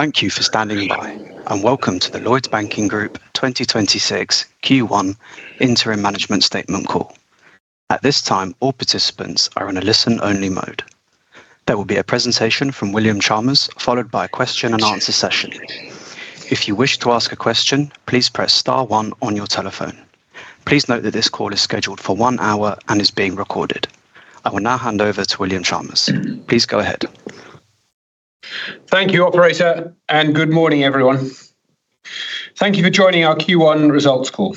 Thank you for standing by, and welcome to the Lloyds Banking Group 2026 Q1 interim management statement call. At this time, all participants are in a listen-only mode. There will be a presentation from William Chalmers, followed by a question and answer session. If you wish to ask a question, please press star one on your telephone. Please note that this call is scheduled for one hour and is being recorded. I will now hand over to William Chalmers. Please go ahead. Thank you, operator. Good morning, everyone. Thank you for joining our Q1 results call.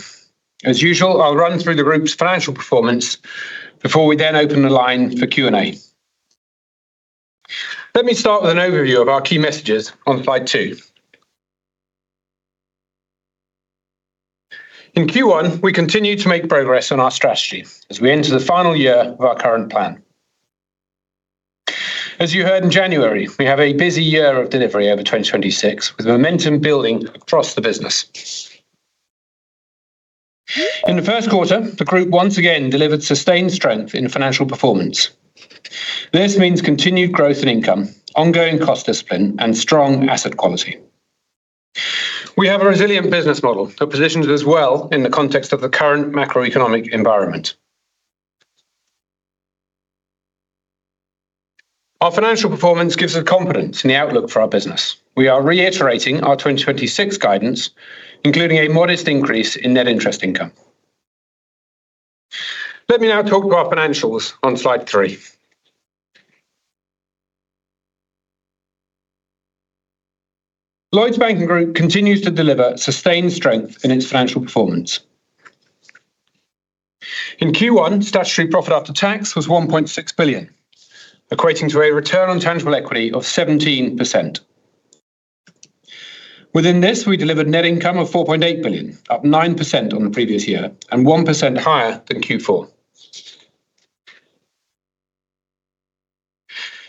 As usual, I'll run through the group's financial performance before we then open the line for Q&A. Let me start with an overview of our key messages on slide two. In Q1, we continued to make progress on our strategy as we enter the final year of our current plan. As you heard in January, we have a busy year of delivery over 2026 with momentum building across the business. In the first quarter, the group once again delivered sustained strength in financial performance. This means continued growth in income, ongoing cost discipline, and strong asset quality. We have a resilient business model that positions us well in the context of the current macroeconomic environment. Our financial performance gives us confidence in the outlook for our business. We are reiterating our 2026 guidance, including a modest increase in net interest income. Let me now talk to our financials on slide three. Lloyds Banking Group continues to deliver sustained strength in its financial performance. In Q1, statutory profit after tax was 1.6 billion, equating to a return on tangible equity of 17%. Within this, we delivered net income of 4.8 billion, up 9% on the previous year and 1% higher than Q4.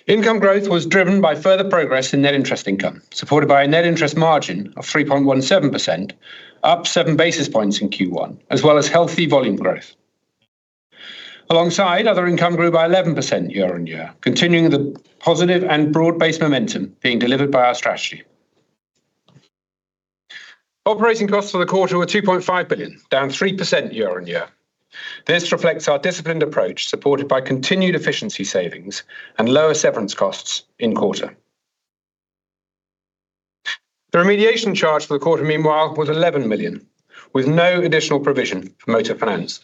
Income growth was driven by further progress in net interest income, supported by a net interest margin of 3.17%, up 7 basis points in Q1, as well as healthy volume growth. Alongside, other income grew by 11% year-on-year, continuing the positive and broad-based momentum being delivered by our strategy. Operating costs for the quarter were 2.5 billion, down 3% year-on-year. This reflects our disciplined approach, supported by continued efficiency savings and lower severance costs in quarter. The remediation charge for the quarter, meanwhile, was 11 million, with no additional provision for motor finance.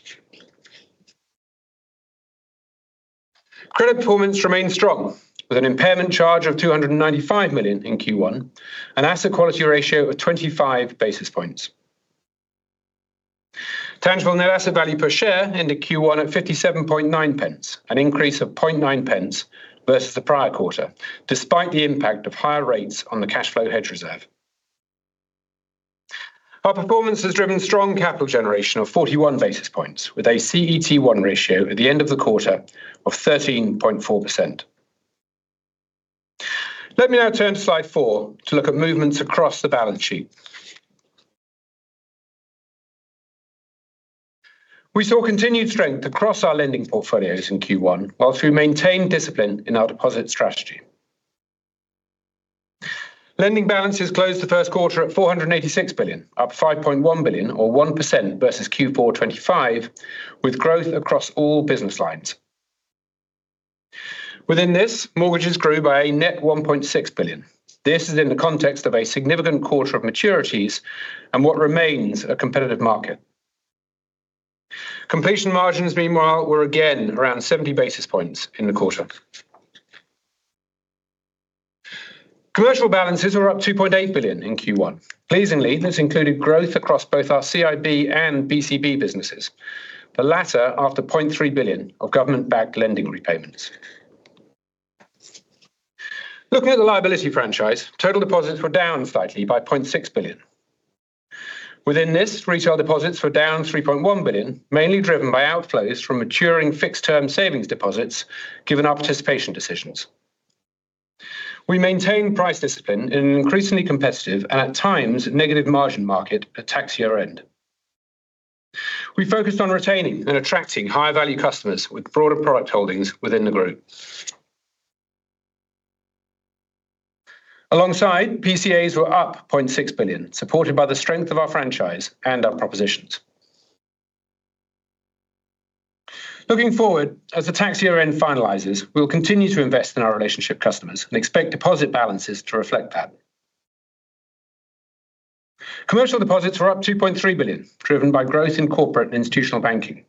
Credit performance remained strong with an impairment charge of 295 million in Q1, an asset quality ratio of 25 basis points. Tangible net asset value per share ended Q1 at 0.579, an increase of 0.009 versus the prior quarter, despite the impact of higher rates on the cash flow hedge reserve. Our performance has driven strong capital generation of 41 basis points, with a CET1 ratio at the end of the quarter of 13.4%. Let me now turn to slide four to look at movements across the balance sheet. We saw continued strength across our lending portfolios in Q1, while we maintained discipline in our deposit strategy. Lending balances closed the first quarter at 486 billion, up 5.1 billion or 1% versus Q4 2025, with growth across all business lines. Within this, mortgages grew by a net 1.6 billion. This is in the context of a significant quarter of maturities and what remains a competitive market. Completion margins, meanwhile, were again around 70 basis points in the quarter. Commercial balances were up 2.8 billion in Q1. Pleasingly, this included growth across both our CIB and BCB businesses. The latter after 0.3 billion of government-backed lending repayments. Looking at the liability franchise, total deposits were down slightly by 0.6 billion. Within this, retail deposits were down 3.1 billion, mainly driven by outflows from maturing fixed-term savings deposits given our participation decisions. We maintain price discipline in an increasingly competitive and, at times, negative margin market at tax year-end. We focused on retaining and attracting high-value customers with broader product holdings within the group. Alongside, PCAs were up 0.6 billion, supported by the strength of our franchise and our propositions. Looking forward, as the tax year-end finalizes, we will continue to invest in our relationship customers and expect deposit balances to reflect that. Commercial deposits were up 2.3 billion, driven by growth in corporate and institutional banking.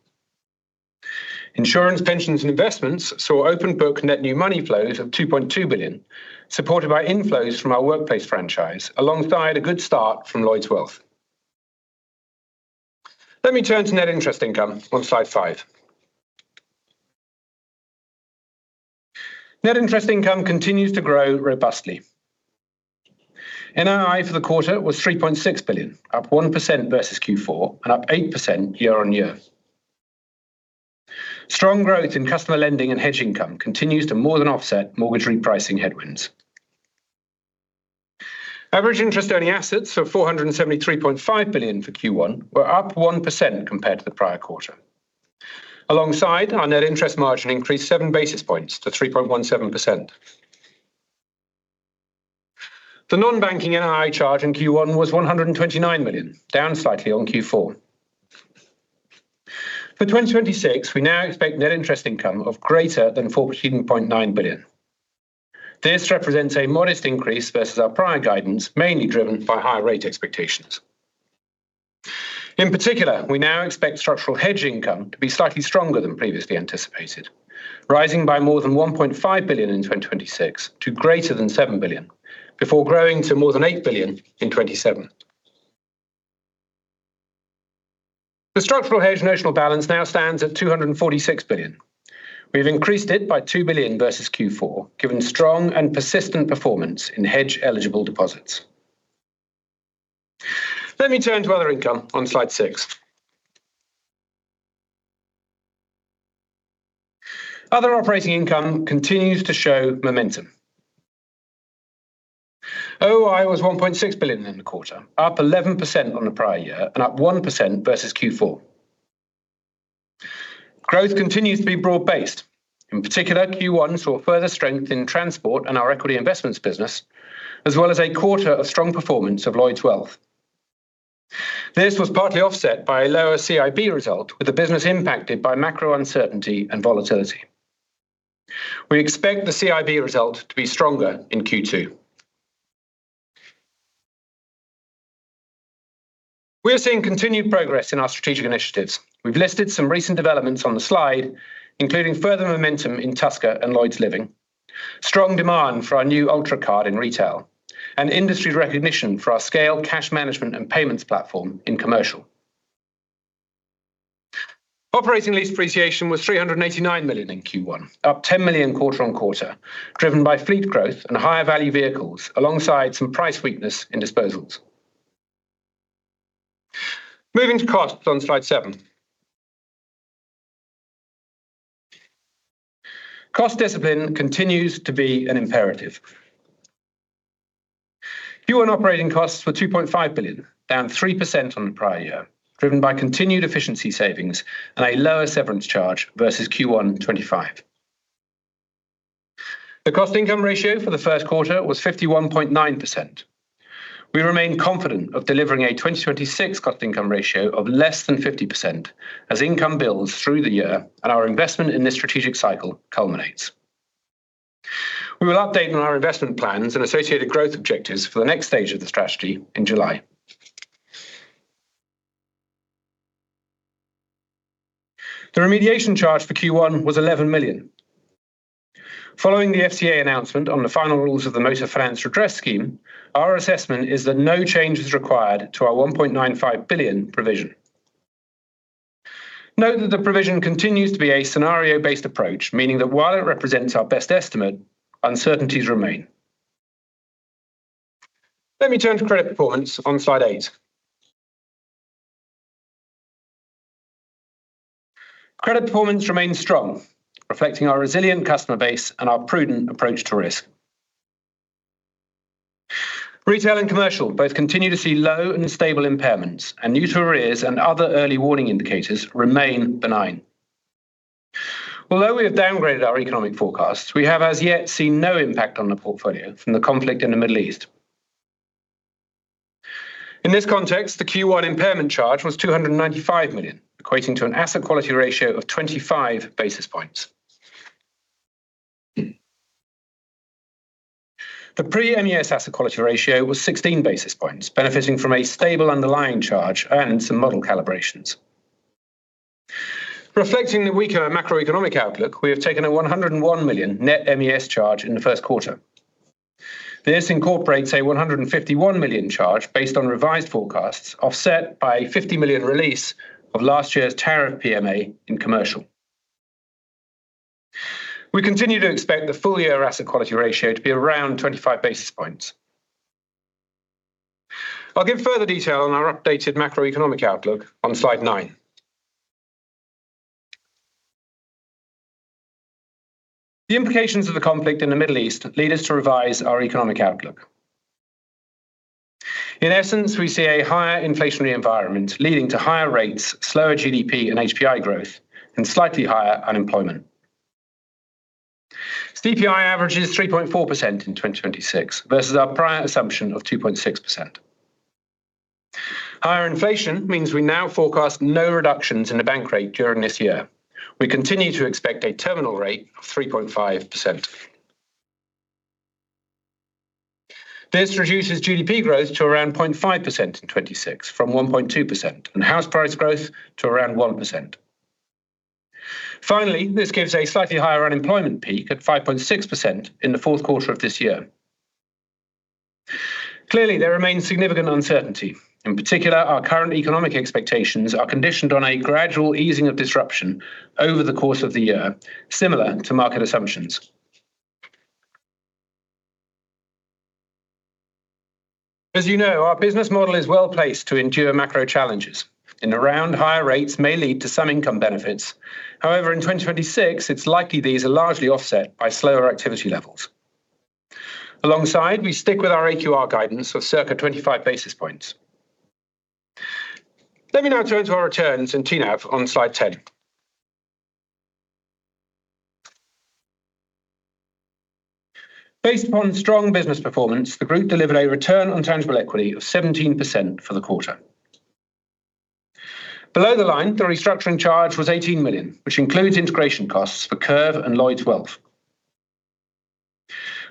Insurance, pensions, and investments saw open book net new money flows of 2.2 billion, supported by inflows from our workplace franchise alongside a good start from Lloyds Wealth. Let me turn to net interest income on slide five. Net interest income continues to grow robustly. NII for the quarter was 3.6 billion, up 1% versus Q4 and up 8% year-on-year. Strong growth in customer lending and hedge income continues to more than offset mortgage repricing headwinds. Average interest earning assets for 473.5 billion for Q1 were up 1% compared to the prior quarter. Alongside our net interest margin increased 7 basis points to 3.17%. The non-banking NII charge in Q1 was 129 million, down slightly on Q4. For 2026, we now expect net interest income of greater than 14.9 billion. This represents a modest increase versus our prior guidance, mainly driven by higher rate expectations. In particular, we now expect structural hedge income to be slightly stronger than previously anticipated, rising by more than 1.5 billion in 2026 to greater than 7 billion, before growing to more than 8 billion in 2027. The structural hedge notional balance now stands at 246 billion. We've increased it by 2 billion versus Q4, given strong and persistent performance in hedge-eligible deposits. Let me turn to other income on slide six. Other operating income continues to show momentum. OOI was 1.6 billion in the quarter, up 11% on the prior year and up 1% versus Q4. Growth continues to be broad-based. In particular, Q1 saw further strength in transport and our equity investments business, as well as a quarter of strong performance of Lloyds Wealth. This was partly offset by a lower CIB result, with the business impacted by macro uncertainty and volatility. We expect the CIB result to be stronger in Q2. We're seeing continued progress in our strategic initiatives. We've listed some recent developments on the slide, including further momentum in Tusker and Lloyds Living, strong demand for our new Ultra card in retail, and industry recognition for our scale cash management and payments platform in commercial. Operating lease appreciation was 389 million in Q1, up 10 million quarter-on-quarter, driven by fleet growth and higher value vehicles, alongside some price weakness in disposals. Moving to costs on slide seven. Cost discipline continues to be an imperative. Q1 operating costs were 2.5 billion, down 3% on the prior year, driven by continued efficiency savings and a lower severance charge versus Q1 2025. The cost income ratio for the first quarter was 51.9%. We remain confident of delivering a 2026 cost income ratio of less than 50% as income builds through the year and our investment in this strategic cycle culminates. We will update on our investment plans and associated growth objectives for the next stage of the strategy in July. The remediation charge for Q1 was 11 million. Following the FCA announcement on the final rules of the Motor Finance Consumer Redress Scheme, our assessment is that no change is required to our 1.95 billion provision. Note that the provision continues to be a scenario-based approach, meaning that while it represents our best estimate, uncertainties remain. Let me turn to credit performance on slide eight. Credit performance remains strong, reflecting our resilient customer base and our prudent approach to risk. Retail and commercial both continue to see low and stable impairments, and new to arrears and other early warning indicators remain benign. Although we have downgraded our economic forecasts, we have as yet seen no impact on the portfolio from the conflict in the Middle East. In this context, the Q1 impairment charge was 295 million, equating to an asset quality ratio of 25 basis points. The pre-MES asset quality ratio was 16 basis points, benefiting from a stable underlying charge and some model calibrations. Reflecting the weaker macroeconomic outlook, we have taken a 101 million net MES charge in the first quarter. This incorporates a 151 million charge based on revised forecasts, offset by a 50 million release of last year's tariff PMA in commercial. We continue to expect the full year asset quality ratio to be around 25 basis points. I'll give further detail on our updated macroeconomic outlook on slide nine. The implications of the conflict in the Middle East lead us to revise our economic outlook. In essence, we see a higher inflationary environment leading to higher rates, slower GDP and HPI growth, and slightly higher unemployment. CPI average is 3.4% in 2026 versus our prior assumption of 2.6%. Higher inflation means we now forecast no reductions in the bank rate during this year. We continue to expect a terminal rate of 3.5%. This reduces GDP growth to around 0.5% in 2026 from 1.2% and house price growth to around 1%. Finally, this gives a slightly higher unemployment peak at 5.6% in the fourth quarter of this year. Clearly, there remains significant uncertainty. In particular, our current economic expectations are conditioned on a gradual easing of disruption over the course of the year, similar to market assumptions. As you know, our business model is well-placed to endure macro challenges. In the round, higher rates may lead to some income benefits. However, in 2026, it's likely these are largely offset by slower activity levels. Alongside, we stick with our AQR guidance of circa 25 basis points. Let me now turn to our returns and TNAV on slide 10. Based upon strong business performance, the group delivered a return on tangible equity of 17% for the quarter. Below the line, the restructuring charge was 18 million, which includes integration costs for Curve and Lloyds Wealth.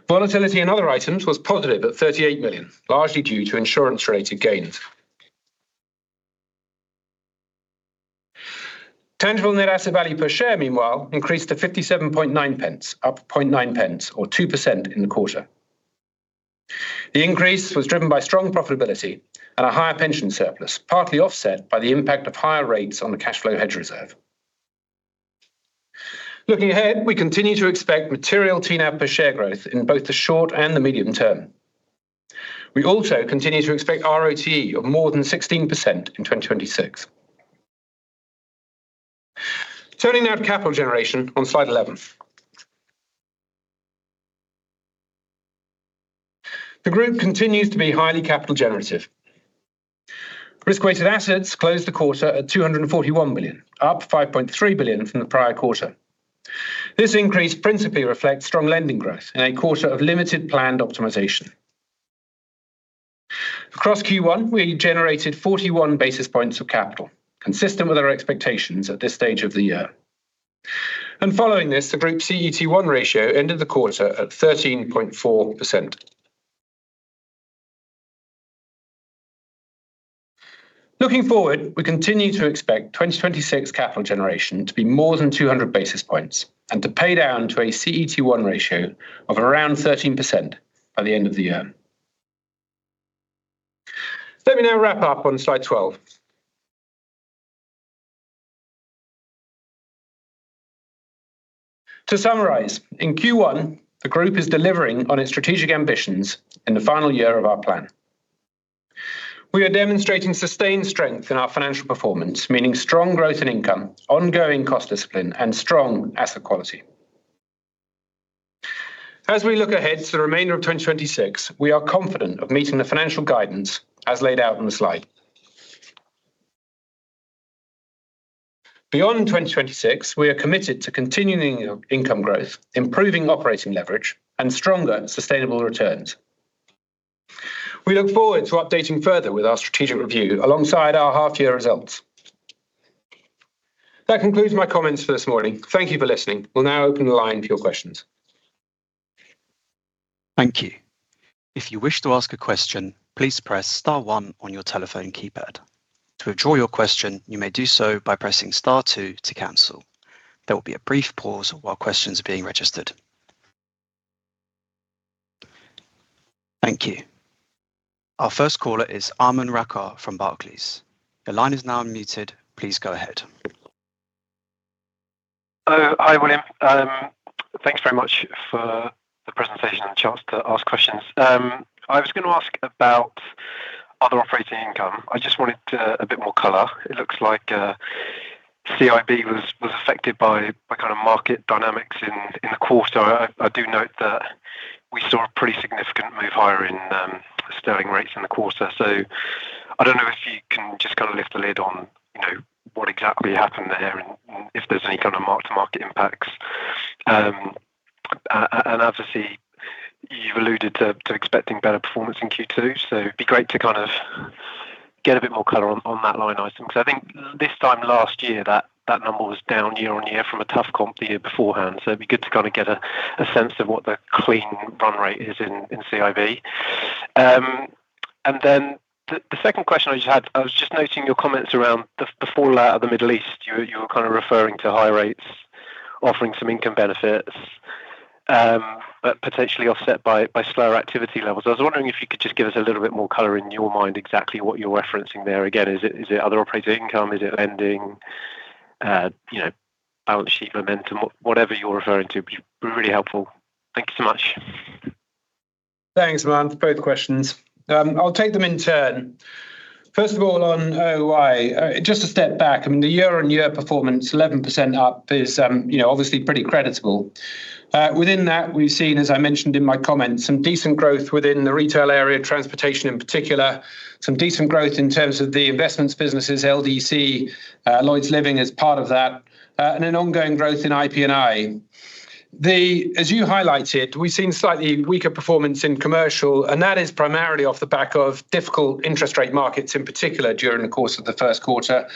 Volatility in other items was positive at 38 million, largely due to insurance-related gains. Tangible net asset value per share, meanwhile, increased to 0.579, up 0.009 or 2% in the quarter. The increase was driven by strong profitability and a higher pension surplus, partly offset by the impact of higher rates on the cash flow hedge reserve. Looking ahead, we continue to expect material TNAV per share growth in both the short and the medium term. We also continue to expect ROE of more than 16% in 2026. Turning now to capital generation on slide 11. The group continues to be highly capital generative. Risk-weighted assets closed the quarter at 241 billion, up 5.3 billion from the prior quarter. This increase principally reflects strong lending growth in a quarter of limited planned optimization. Across Q1, we generated 41 basis points of capital, consistent with our expectations at this stage of the year. Following this, the Group CET1 ratio ended the quarter at 13.4%. Looking forward, we continue to expect 2026 capital generation to be more than 200 basis points and to pay down to a CET1 ratio of around 13% by the end of the year. Let me now wrap up on slide 12. To summarize, in Q1, the group is delivering on its strategic ambitions in the final year of our plan. We are demonstrating sustained strength in our financial performance, meaning strong growth in income, ongoing cost discipline, and strong asset quality. As we look ahead to the remainder of 2026, we are confident of meeting the financial guidance as laid out on the slide. Beyond 2026, we are committed to continuing income growth, improving operating leverage, and stronger sustainable returns. We look forward to updating further with our strategic review alongside our half-year results. That concludes my comments for this morning. Thank you for listening. We'll now open the line for your questions. Thank you. If you wish to ask a question, please press star one on your telephone keypad. To withdraw your question, you may do so by pressing star two to cancel. There will be a brief pause while questions are being registered. Thank you. Our first caller is Aman Rakkar from Barclays. The line is now unmuted. Please go ahead. Oh, hi, William. Thanks very much for the presentation and the chance to ask questions. I was gonna ask about Other Operating Income. I just wanted a bit more color. It looks like CIB was affected by kind of market dynamics in the quarter. I do note that we saw a pretty significant move higher in sterling rates in the quarter. I don't know if you can just kind of lift the lid on, you know, what exactly happened there and if there's any kind of mark-to-market impacts. Obviously, you've alluded to expecting better performance in Q2, it'd be great to kind of get a bit more color on that line item. 'Cause I think this time last year, that number was down year on year from a tough comp the year beforehand. It'd be good to kind of get a sense of what the clean run rate is in CIB. The second question I just had, I was just noting your comments around the fallout of the Middle East. You were kind of referring to high rates offering some income benefits, but potentially offset by slower activity levels. I was wondering if you could just give us a little bit more color in your mind exactly what you're referencing there. Again, is it other operating income? Is it lending? You know, balance sheet momentum? Whatever you're referring to would be really helpful. Thank you so much. Thanks, Aman, for both questions. I'll take them in turn. First of all, on OI, just to step back, I mean, the year-over-year performance, 11% up is, you know, obviously pretty creditable. Within that, we've seen, as I mentioned in my comments, some decent growth within the retail area, transportation in particular. Some decent growth in terms of the investments businesses, LDC, Lloyds Living as part of that, and an ongoing growth in IP&I. As you highlighted, we've seen slightly weaker performance in commercial, that is primarily off the back of difficult interest rate markets, in particular during the course of the first quarter,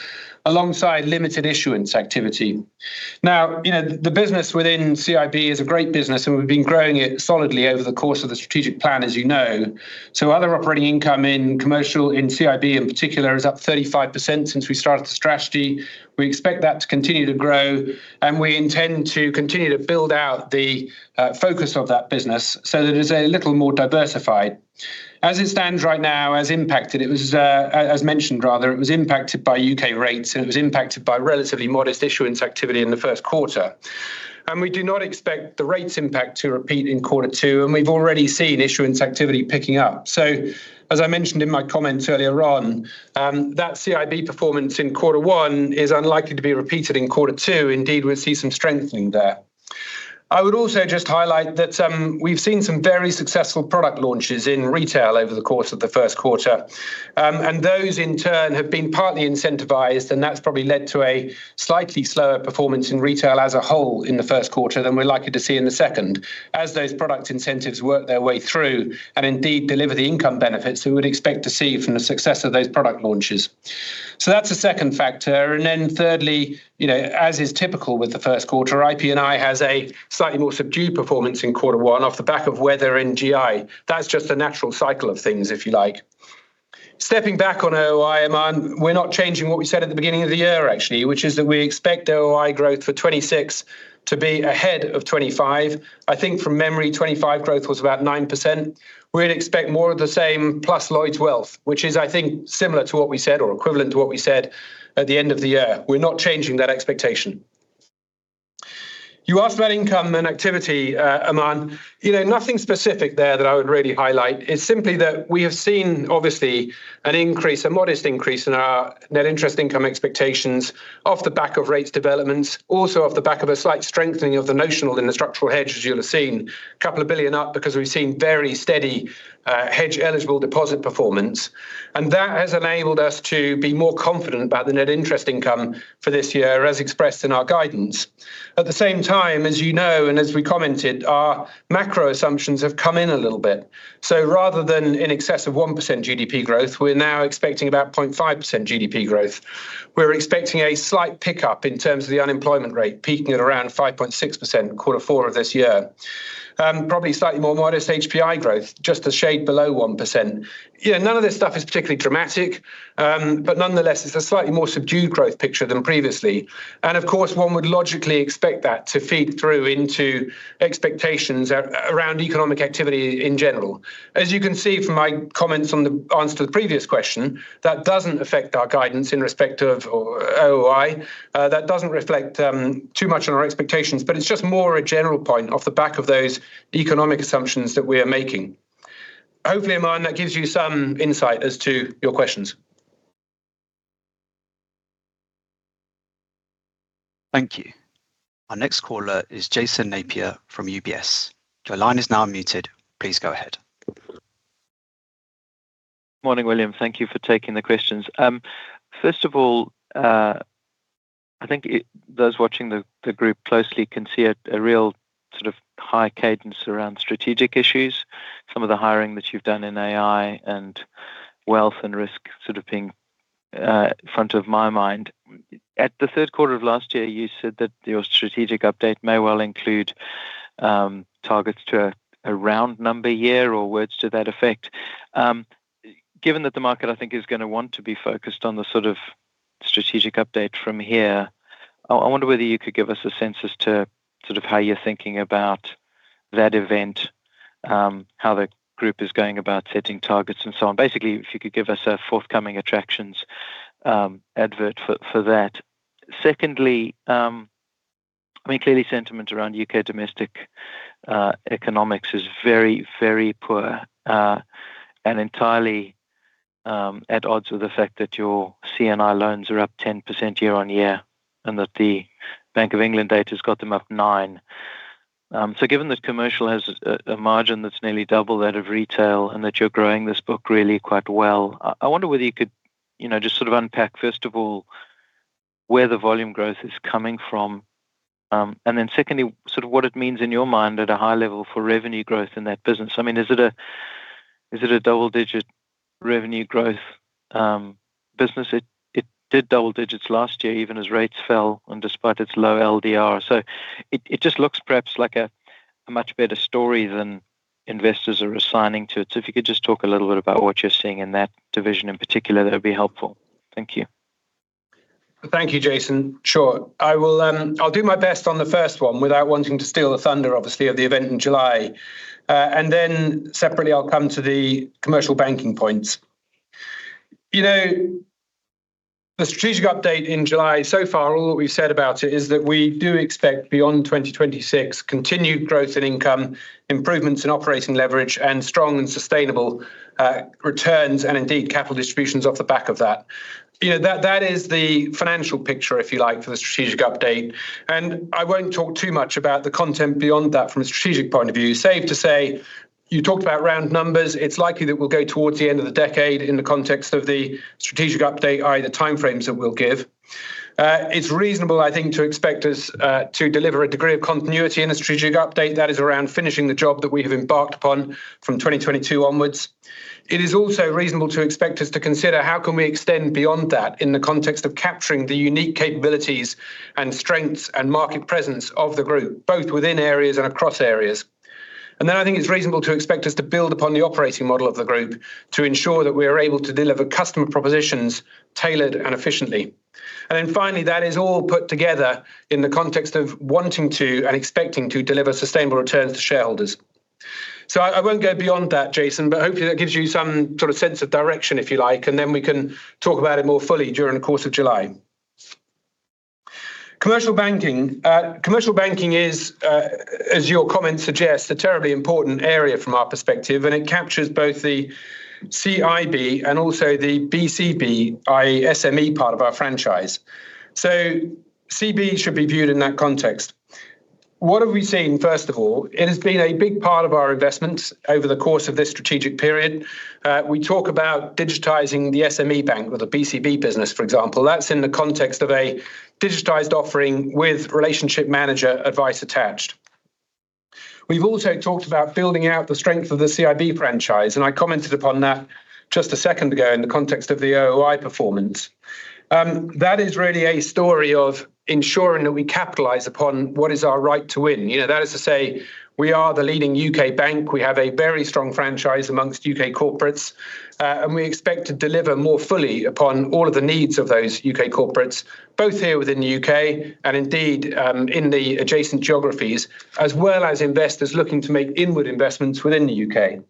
alongside limited issuance activity. You know, the business within CIB is a great business, we've been growing it solidly over the course of the strategic plan, as you know. Other operating income in commercial, in CIB in particular, is up 35% since we started the strategy. We expect that to continue to grow, and we intend to continue to build out the focus of that business so that it is a little more diversified. As it stands right now, as impacted, it was, as mentioned, rather, it was impacted by U.K. rates, and it was impacted by relatively modest issuance activity in the first quarter. We do not expect the rates impact to repeat in quarter two, and we've already seen issuance activity picking up. As I mentioned in my comments earlier on, that CIB performance in quarter one is unlikely to be repeated in quarter two. Indeed, we'll see some strengthening there. I would also just highlight that we've seen some very successful product launches in retail over the course of the first quarter. Those in turn have been partly incentivized, and that's probably led to a slightly slower performance in retail as a whole in the first quarter than we're likely to see in the second as those product incentives work their way through and indeed deliver the income benefits we would expect to see from the success of those product launches. That's the second factor. Thirdly, you know, as is typical with the first quarter, IP&I has a slightly more subdued performance in quarter one off the back of weather in GI. That's just a natural cycle of things, if you like. Stepping back on OOI, Aman, we're not changing what we said at the beginning of the year, actually, which is that we expect OOI growth for 2026 to be ahead of 2025. I think from memory, 2025 growth was about 9%. We'd expect more of the same plus Lloyds Wealth, which is, I think, similar to what we said or equivalent to what we said at the end of the year. We're not changing that expectation. You asked about income and activity, Aman. You know, nothing specific there that I would really highlight. It's simply that we have seen obviously an increase, a modest increase in our net interest income expectations off the back of rates developments, also off the back of a slight strengthening of the notional in the structural hedge, as you'll have seen. A couple of billion up because we've seen very steady, hedge-eligible deposit performance, and that has enabled us to be more confident about the net interest income for this year, as expressed in our guidance. At the same time, as you know and as we commented, our macro assumptions have come in a little bit. Rather than in excess of 1% GDP growth, we're now expecting about 0.5% GDP growth. We're expecting a slight pickup in terms of the unemployment rate, peaking at around 5.6% quarter four of this year. Probably slightly more modest HPI growth, just a shade below 1%. You know, none of this stuff is particularly dramatic, but nonetheless, it's a slightly more subdued growth picture than previously. Of course, one would logically expect that to feed through into expectations around economic activity in general. As you can see from my comments on the answer to the previous question, that doesn't affect our guidance in respect of OOI. That doesn't reflect too much on our expectations, but it's just more a general point off the back of those economic assumptions that we are making. Hopefully, Aman, that gives you some insight as to your questions. Thank you. Our next caller is Jason Napier from UBS. Your line is now unmuted. Please go ahead. Morning, William. Thank you for taking the questions. First of all, I think those watching the group closely can see a real sort of high cadence around strategic issues, some of the hiring that you've done in AI and wealth and risk sort of being front of my mind. At the third quarter of last year, you said that your strategic update may well include targets to a round number year or words to that effect. Given that the market, I think, is going to want to be focused on the sort of strategic update from here, I wonder whether you could give us a sense as to sort of how you're thinking about that event, how the group is going about setting targets and so on. Basically, if you could give us a forthcoming attractions, advert for that. Secondly, I mean, clearly sentiment around U.K. domestic economics is very, very poor and entirely at odds with the fact that your C&I loans are up 10% year on year and that the Bank of England data's got them up 9%. Given that commercial has a margin that's nearly double that of retail and that you're growing this book really quite well, I wonder whether you could, you know, just sort of unpack, first of all, where the volume growth is coming from, and then secondly, sort of what it means in your mind at a high level for revenue growth in that business. I mean, is it a, is it a double-digit revenue growth business? It did double digits last year, even as rates fell and despite its low LDR. It just looks perhaps like a much better story than investors are assigning to it. If you could just talk a little bit about what you're seeing in that division in particular, that would be helpful. Thank you. Thank you, Jason. Sure. I will, I'll do my best on the first one without wanting to steal the thunder, obviously, of the event in July. Separately, I'll come to the commercial banking points. You know, the strategic update in July, so far all that we've said about it is that we do expect beyond 2026 continued growth in income, improvements in operating leverage, and strong and sustainable returns and indeed capital distributions off the back of that. You know, that is the financial picture, if you like, for the strategic update, I won't talk too much about the content beyond that from a strategic point of view. Safe to say, you talked about round numbers. It's likely that we'll go towards the end of the decade in the context of the strategic update, i.e., the time frames that we'll give. It's reasonable, I think, to expect us to deliver a degree of continuity in the strategic update that is around finishing the job that we have embarked upon from 2022 onwards. It is also reasonable to expect us to consider how can we extend beyond that in the context of capturing the unique capabilities and strengths and market presence of the group, both within areas and across areas. I think it's reasonable to expect us to build upon the operating model of the group to ensure that we are able to deliver customer propositions tailored and efficiently. Finally, that is all put together in the context of wanting to and expecting to deliver sustainable returns to shareholders. I won't go beyond that, Jason, but hopefully that gives you some sort of sense of direction, if you like, and then we can talk about it more fully during the course of July. Commercial banking. Commercial banking is, as your comment suggests, a terribly important area from our perspective, and it captures both the CIB and also the BCB, i.e., SME part of our franchise. CB should be viewed in that context. What have we seen, first of all? It has been a big part of our investment over the course of this strategic period. We talk about digitizing the SME bank or the BCB business, for example. That's in the context of a digitized offering with relationship manager advice attached. We've also talked about building out the strength of the CIB franchise. I commented upon that just a second ago in the context of the OOI performance. That is really a story of ensuring that we capitalize upon what is our right to win. You know, that is to say, we are the leading UK bank. We have a very strong franchise amongst UK corporates. We expect to deliver more fully upon all of the needs of those UK corporates, both here within the UK, and indeed, in the adjacent geographies, as well as investors looking to make inward investments within the UK.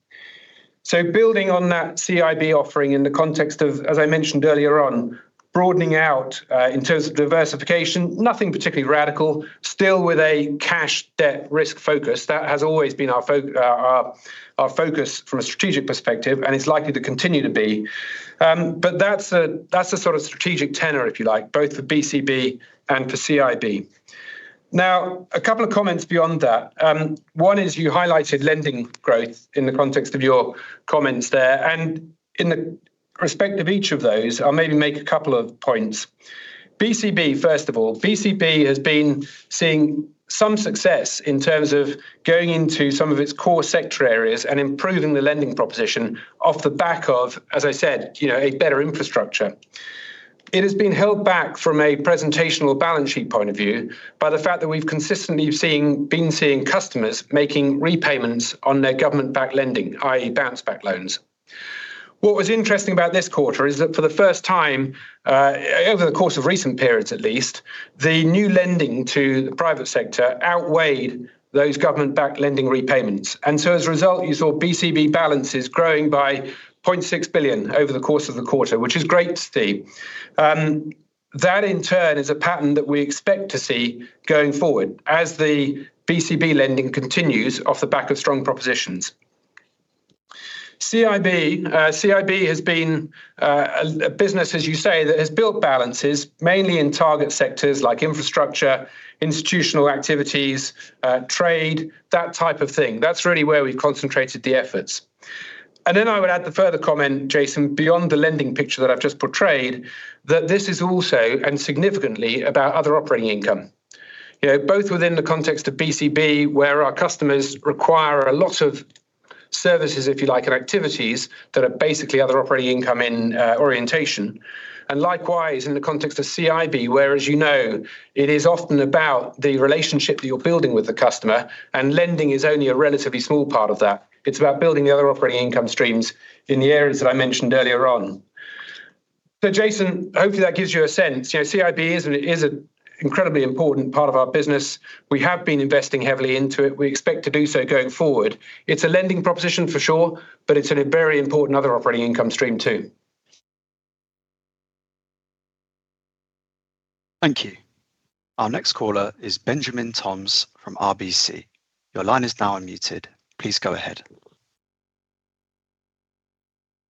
Building on that CIB offering in the context of, as I mentioned earlier on, broadening out in terms of diversification, nothing particularly radical. Still with a cash debt risk focus. That has always been our focus from a strategic perspective, and it's likely to continue to be. That's a, that's a sort of strategic tenor, if you like, both for BCB and for CIB. A couple of comments beyond that. One is you highlighted lending growth in the context of your comments there, and in the respect of each of those, I'll maybe make a couple of points. BCB, first of all, BCB has been seeing some success in terms of going into some of its core sector areas and improving the lending proposition off the back of, as I said, you know, a better infrastructure. It has been held back from a presentational balance sheet point of view by the fact that we've consistently been seeing customers making repayments on their government-backed lending, i.e., Bounce Back Loans. What was interesting about this quarter is that for the first time, over the course of recent periods at least, the new lending to the private sector outweighed those government-backed lending repayments. As a result, you saw BCB balances growing by 0.6 billion over the course of the quarter, which is great to see. That in turn is a pattern that we expect to see going forward as the BCB lending continues off the back of strong propositions. CIB has been a business, as you say, that has built balances mainly in target sectors like infrastructure, institutional activities, trade, that type of thing. That's really where we've concentrated the efforts. Then I would add the further comment, Jason, beyond the lending picture that I've just portrayed, that this is also, and significantly, about other operating income. You know, both within the context of BCB, where our customers require a lot of services, if you like, and activities that are basically other operating income in orientation. Likewise, in the context of CIB, where, as you know, it is often about the relationship that you're building with the customer and lending is only a relatively small part of that. It's about building the other operating income streams in the areas that I mentioned earlier on. Jason, hopefully that gives you a sense. You know, CIB is an incredibly important part of our business. We have been investing heavily into it. We expect to do so going forward. It's a lending proposition for sure, but it's a very important other operating income stream too. Thank you. Our next caller is Benjamin Toms from RBC. Your line is now unmuted. Please go ahead.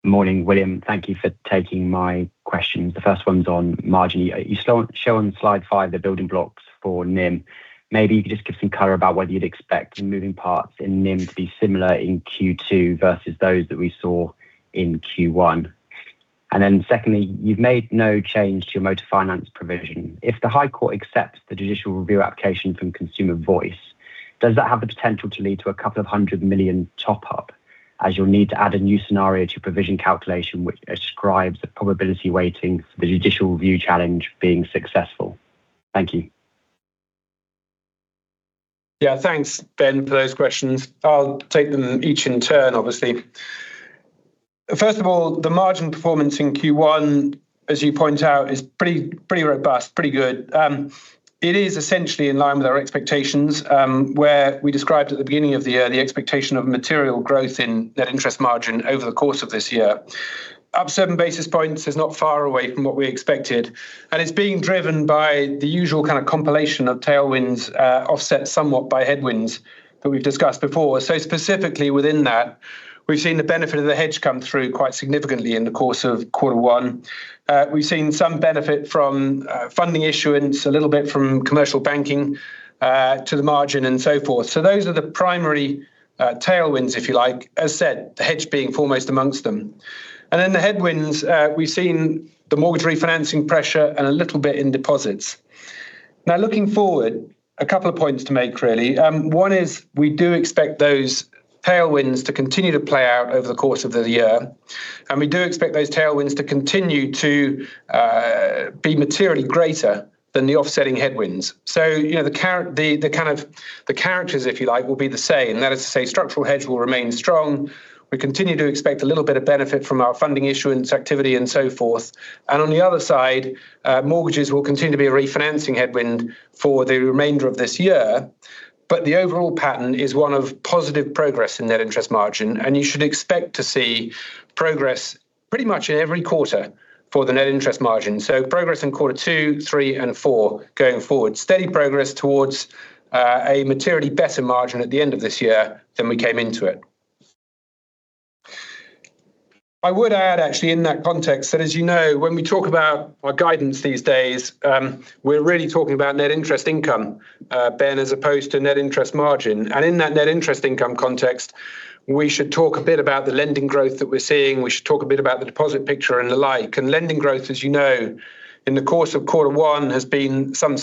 Morning, William. Thank you for taking my questions. The first one's on margin. You show on slide five the building blocks for NIM. Maybe you could just give some color about whether you'd expect the moving parts in NIM to be similar in Q2 versus those that we saw in Q1. Secondly, you've made no change to your Motor Finance provision. If the High Court accepts the judicial review application from Consumer Voice, does that have the potential to lead to a 200 million top-up as you'll need to add a new scenario to your provision calculation which ascribes the probability weighting for the judicial review challenge being successful? Thank you. Thanks Ben, for those questions. I'll take them each in turn, obviously. First of all, the margin performance in Q1, as you point out, is pretty robust, pretty good. It is essentially in line with our expectations, where we described at the beginning of the year the expectation of material growth in net interest margin over the course of this year. Up 7 basis points is not far away from what we expected, and it's being driven by the usual kind of compilation of tailwinds, offset somewhat by headwinds that we've discussed before. Specifically within that, we've seen the benefit of the hedge come through quite significantly in the course of quarter one. We've seen some benefit from funding issuance, a little bit from commercial banking, to the margin and so forth. Those are the primary tailwinds, if you like. As said, the hedge being foremost amongst them. The headwinds, we've seen the mortgage refinancing pressure and a little bit in deposits. Looking forward, a couple of points to make, really. One is we do expect those tailwinds to continue to play out over the course of the year, and we do expect those tailwinds to continue to be materially greater than the offsetting headwinds. You know, the kind of, the characters, if you like, will be the same. That is to say structural hedge will remain strong. We continue to expect a little bit of benefit from our funding issuance activity and so forth. On the other side, mortgages will continue to be a refinancing headwind for the remainder of this year. The overall pattern is one of positive progress in net interest margin, and you should expect to see progress pretty much in every quarter for the net interest margin. Progress in quarter two, three, and four going forward. Steady progress towards a materially better margin at the end of this year than we came into it. I would add actually in that context that, as you know, when we talk about our guidance these days, we're really talking about net interest income, Ben, as opposed to net interest margin. In that net interest income context, we should talk a bit about the lending growth that we're seeing. We should talk a bit about the deposit picture and the like. Lending growth, as you know, in the course of quarter one has been some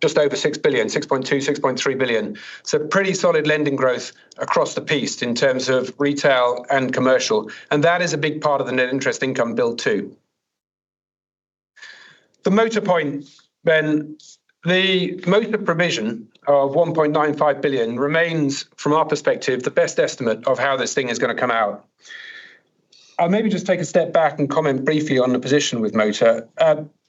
6 billion, just over 6 billion, 6.2 billion, 6.3 billion. Pretty solid lending growth across the piece in terms of retail and commercial, and that is a big part of the net interest income build too. The motor point, Ben, the motor provision of 1.95 billion remains, from our perspective, the best estimate of how this thing is going to come out. I'll maybe just take a step back and comment briefly on the position with motor.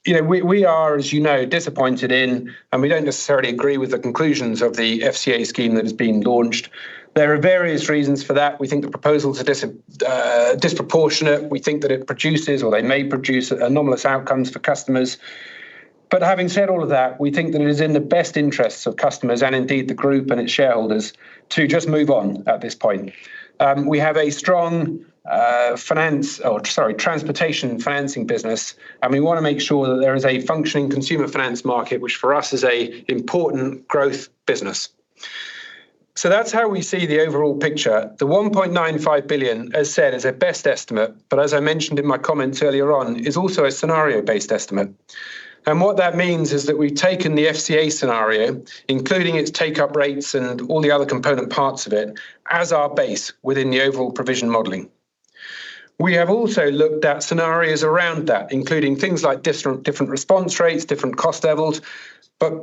You know, we are, as you know, disappointed in, and we don't necessarily agree with the conclusions of the FCA scheme that has been launched. There are various reasons for that. We think the proposals are disproportionate. We think that it produces or they may produce anomalous outcomes for customers. Having said all of that, we think that it is in the best interests of customers and indeed the group and its shareholders to just move on at this point. We have a strong transportation financing business, and we wanna make sure that there is a functioning consumer finance market, which for us is an important growth business. That's how we see the overall picture. The 1.95 billion, as said, is a best estimate, but as I mentioned in my comments earlier on, is also a scenario-based estimate. What that means is that we've taken the FCA scenario, including its take-up rates and all the other component parts of it, as our base within the overall provision modeling. We have also looked at scenarios around that, including things like different response rates, different cost levels.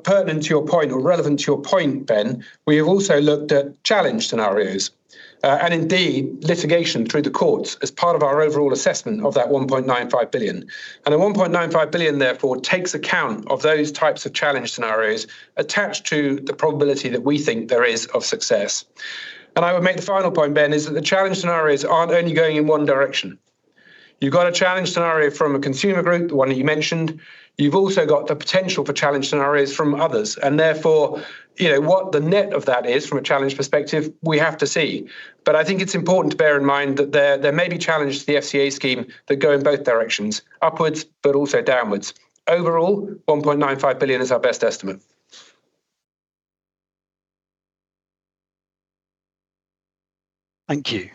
Pertinent to your point or relevant to your point, Ben, we have also looked at challenge scenarios, and indeed litigation through the courts as part of our overall assessment of that 1.95 billion. The 1.95 billion, therefore, takes account of those types of challenge scenarios attached to the probability that we think there is of success. I would make the final point, Ben, is that the challenge scenarios aren't only going in one direction. You've got a challenge scenario from a consumer group, the one you mentioned. You've also got the potential for challenge scenarios from others and therefore, you know, what the net of that is from a challenge perspective, we have to see. I think it's important to bear in mind that there may be challenges to the FCA scheme that go in both directions, upwards but also downwards. Overall, 1.95 billion is our best estimate. Thank you.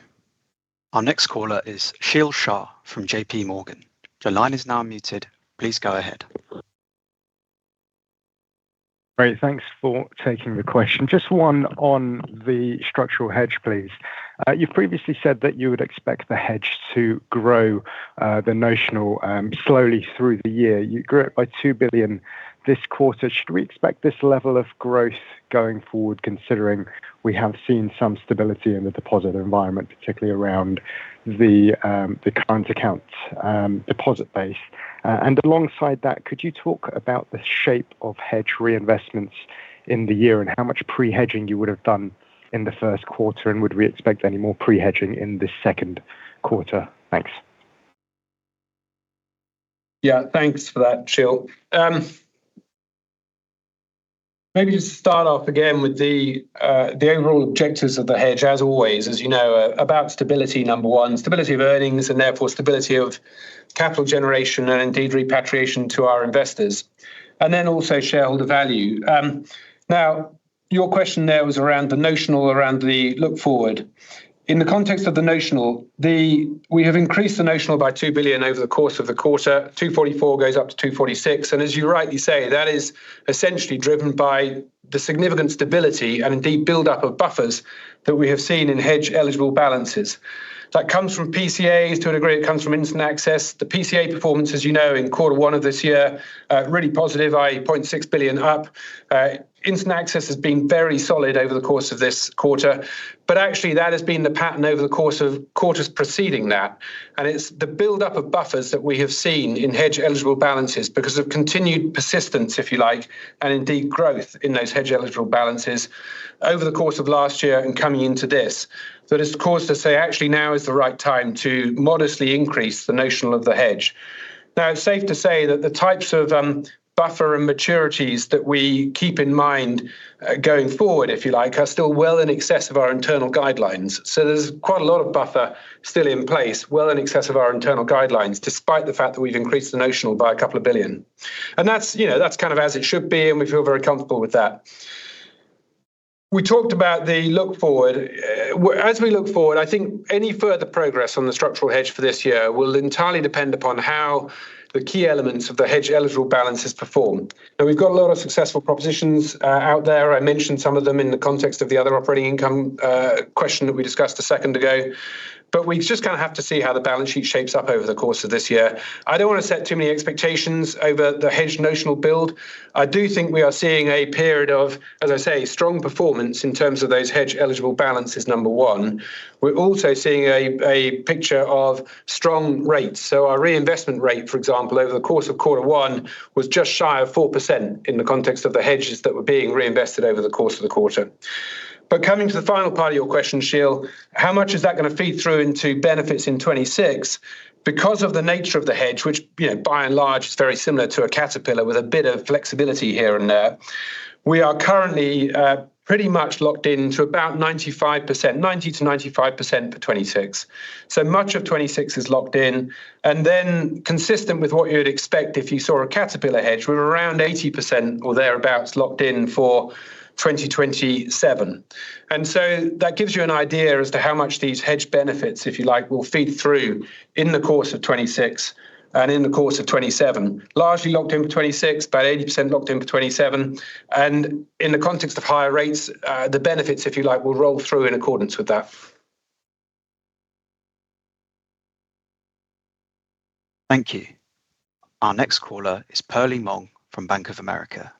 Our next caller is Sheel Shah from JPMorgan. Your line is now unmuted. Please go ahead. Great. Thanks for taking the question. Just one on the structural hedge, please. You've previously said that you would expect the hedge to grow, the notional, slowly through the year. You grew it by 2 billion this quarter. Should we expect this level of growth going forward, considering we have seen some stability in the deposit environment, particularly around the current account deposit base? Alongside that, could you talk about the shape of hedge reinvestments in the year and how much pre-hedging you would've done in the first quarter, and would we expect any more pre-hedging in this second quarter? Thanks. Yeah. Thanks for that, Sheel Shah. Maybe to start off again with the overall objectives of the hedge, as always, as you know, about stability, number one, stability of earnings, and therefore stability of capital generation and indeed repatriation to our investors, and then also shareholder value. Now your question there was around the notional, around the look-forward. In the context of the notional, we have increased the notional by 2 billion over the course of the quarter. 244 goes up to 246, and as you rightly say, that is essentially driven by the significant stability and indeed buildup of buffers that we have seen in hedge eligible balances. That comes from PCAs to a degree. It comes from Instant Access. The PCA performance, as you know, in quarter one of this year, really positive, i.e., 0.6 billion up. Instant Access has been very solid over the course of this quarter. Actually, that has been the pattern over the course of quarters preceding that, and it's the buildup of buffers that we have seen in hedge eligible balances because of continued persistence, if you like, and indeed growth in those hedge eligible balances over the course of last year and coming into this that has caused us to say, "Actually, now is the right time to modestly increase the notional of the hedge." It's safe to say that the types of buffer and maturities that we keep in mind, if you like, are still well in excess of our internal guidelines. There's quite a lot of buffer still in place, well in excess of our internal guidelines, despite the fact that we've increased the notional by a couple of billion. That's, you know, that's kind of as it should be, and we feel very comfortable with that. We talked about the look-forward. As we look forward, I think any further progress on the structural hedge for this year will entirely depend upon how the key elements of the hedge eligible balances perform. Now, we've got a lot of successful propositions out there. I mentioned some of them in the context of the other operating income question that we discussed a second ago. We just kind of have to see how the balance sheet shapes up over the course of this year. I don't wanna set too many expectations over the hedge notional build. I do think we are seeing a period of, as I say, strong performance in terms of those hedge eligible balances, number one. We're also seeing a picture of strong rates. Our reinvestment rate, for example, over the course of quarter one, was just shy of 4% in the context of the hedges that were being reinvested over the course of the quarter. Coming to the final part of your question, Sheel, how much is that gonna feed through into benefits in 2026? Because of the nature of the hedge, which, you know, by and large is very similar to a caterpillar with a bit of flexibility here and there, we are currently pretty much locked in to about 95%, 90%-95% for 2026. Much of 2026 is locked in. Consistent with what you would expect if you saw a caterpillar hedge, we're around 80% or thereabouts locked in for 2027. So that gives you an idea as to how much these hedge benefits, if you like, will feed through in the course of 2026 and in the course of 2027. Largely locked in for 2026, about 80% locked in for 2027. In the context of higher rates, the benefits, if you like, will roll through in accordance with that. Thank you. Our next caller is Perlie Mong from Bank of America.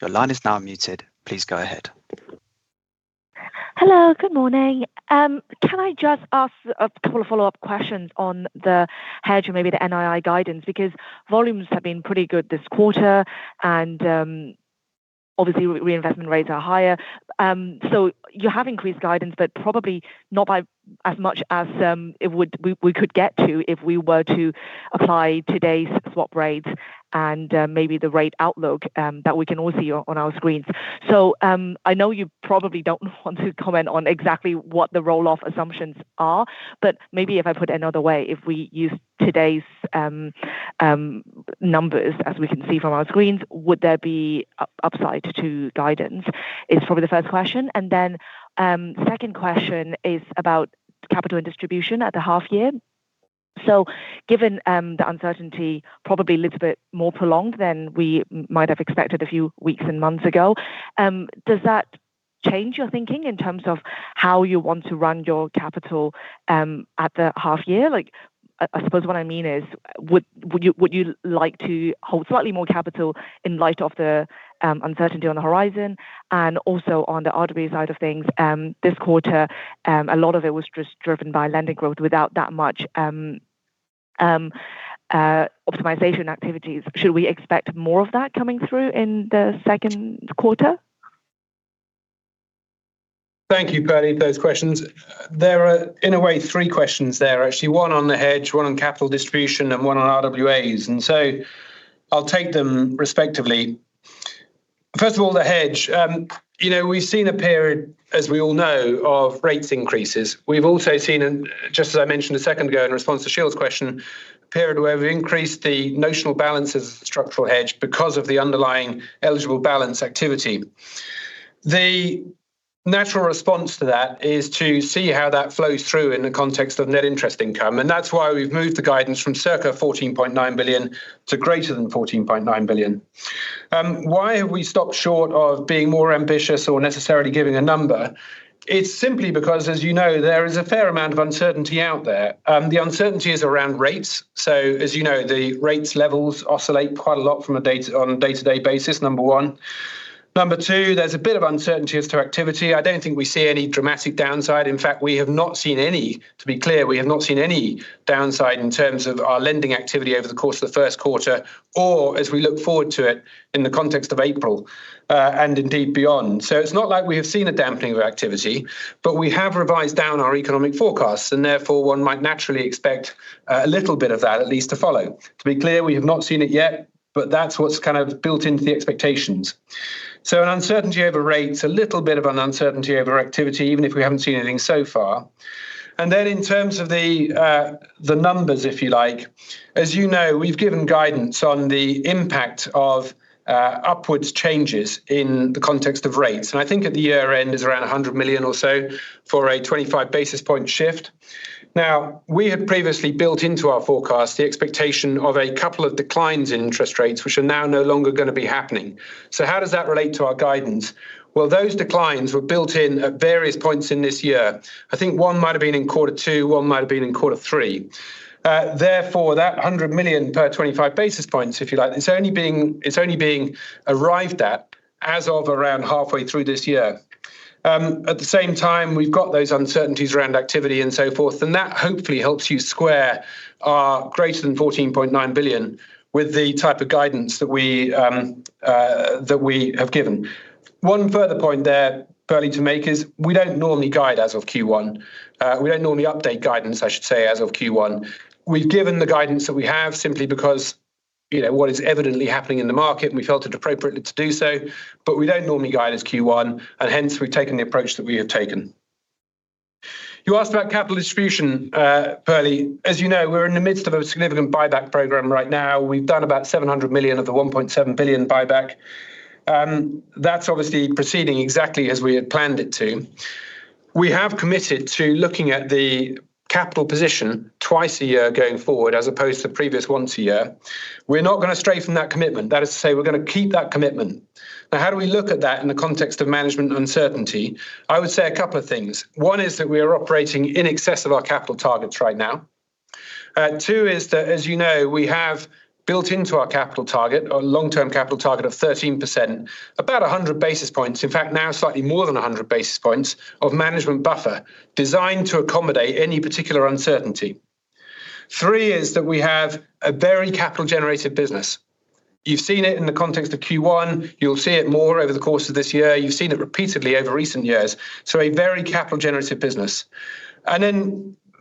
Your line is now unmuted. Please go ahead. Hello. Good morning. Can I just ask two follow-up questions on the hedge or maybe the NII guidance? Because volumes have been pretty good this quarter and obviously reinvestment rates are higher. You have increased guidance, but probably not by as much as we could get to if we were to apply today's swap rates and maybe the rate outlook that we can all see on our screens. I know you probably don't want to comment on exactly what the roll-off assumptions are, but maybe if I put another way, if we use today's numbers as we can see from our screens, would there be upside to guidance is probably the first question. Second question is about capital and distribution at the half year. Given the uncertainty probably a little bit more prolonged than we might have expected a few weeks and months ago, does that change your thinking in terms of how you want to run your capital at the half year? Like, I suppose what I mean is would you like to hold slightly more capital in light of the uncertainty on the horizon and also on the RWA side of things this quarter, a lot of it was just driven by lending growth without that much optimization activities. Should we expect more of that coming through in the second quarter? Thank you, Perlie, for those questions. There are, in a way, three questions there actually, one on the hedge, one on capital distribution, and one on RWAs. I'll take them respectively. First of all, the hedge. You know, we've seen a period, as we all know, of rates increases. We've also seen, just as I mentioned a second ago in response to Sheel's question, a period where we increased the notional balance of structural hedge because of the underlying eligible balance activity. The natural response to that is to see how that flows through in the context of NII, that's why we've moved the guidance from circa 14.9 billion to greater than 14.9 billion. Why have we stopped short of being more ambitious or necessarily giving a number? It's simply because, as you know, there is a fair amount of uncertainty out there. The uncertainty is around rates. As you know, the rates levels oscillate quite a lot on a day-to-day basis, number one. Number two, there's a bit of uncertainty as to activity. I don't think we see any dramatic downside. In fact, we have not seen any. To be clear, we have not seen any downside in terms of our lending activity over the course of the first quarter or as we look forward to it in the context of April and indeed beyond. It's not like we have seen a dampening of activity, but we have revised down our economic forecasts, and therefore one might naturally expect a little bit of that at least to follow. To be clear, we have not seen it yet, but that's what's kind of built into the expectations. An uncertainty over rates, a little bit of an uncertainty over activity, even if we haven't seen anything so far. In terms of the numbers, if you like, as you know, we've given guidance on the impact of upwards changes in the context of rates, and I think at the year-end is around 100 million or so for a 25 basis point shift. We had previously built into our forecast the expectation of a couple of declines in interest rates, which are now no longer going to be happening. How does that relate to our guidance? Those declines were built in at various points in this year. I think one might have been in Q2, one might have been in Q3. That 100 million per 25 basis points, if you like, it's only being arrived at as of around halfway through this year. At the same time, we've got those uncertainties around activity and so forth, that hopefully helps you square our greater than 14.9 billion with the type of guidance that we have given. One further point there, Perlie, to make is we don't normally guide as of Q1. We don't normally update guidance, I should say, as of Q1. We've given the guidance that we have simply because, you know, what is evidently happening in the market, we felt it appropriate to do so. We don't normally guide as Q1, hence we've taken the approach that we have taken. You asked about capital distribution, Perlie. As you know, we're in the midst of a significant buyback program right now. We've done about 700 million of the 1.7 billion buyback. That's obviously proceeding exactly as we had planned it to. We have committed to looking at the capital position twice a year going forward as opposed to previous once a year. We're not gonna stray from that commitment. That is to say we're gonna keep that commitment. Now, how do we look at that in the context of management uncertainty? I would say a couple of things. One is that we are operating in excess of our capital targets right now. Two is that, as you know, we have built into our capital target, our long-term capital target of 13%, about 100 basis points, in fact now slightly more than 100 basis points, of management buffer designed to accommodate any particular uncertainty. Three is that we have a very capital generative business. You've seen it in the context of Q1. You'll see it more over the course of this year. You've seen it repeatedly over recent years. A very capital generative business.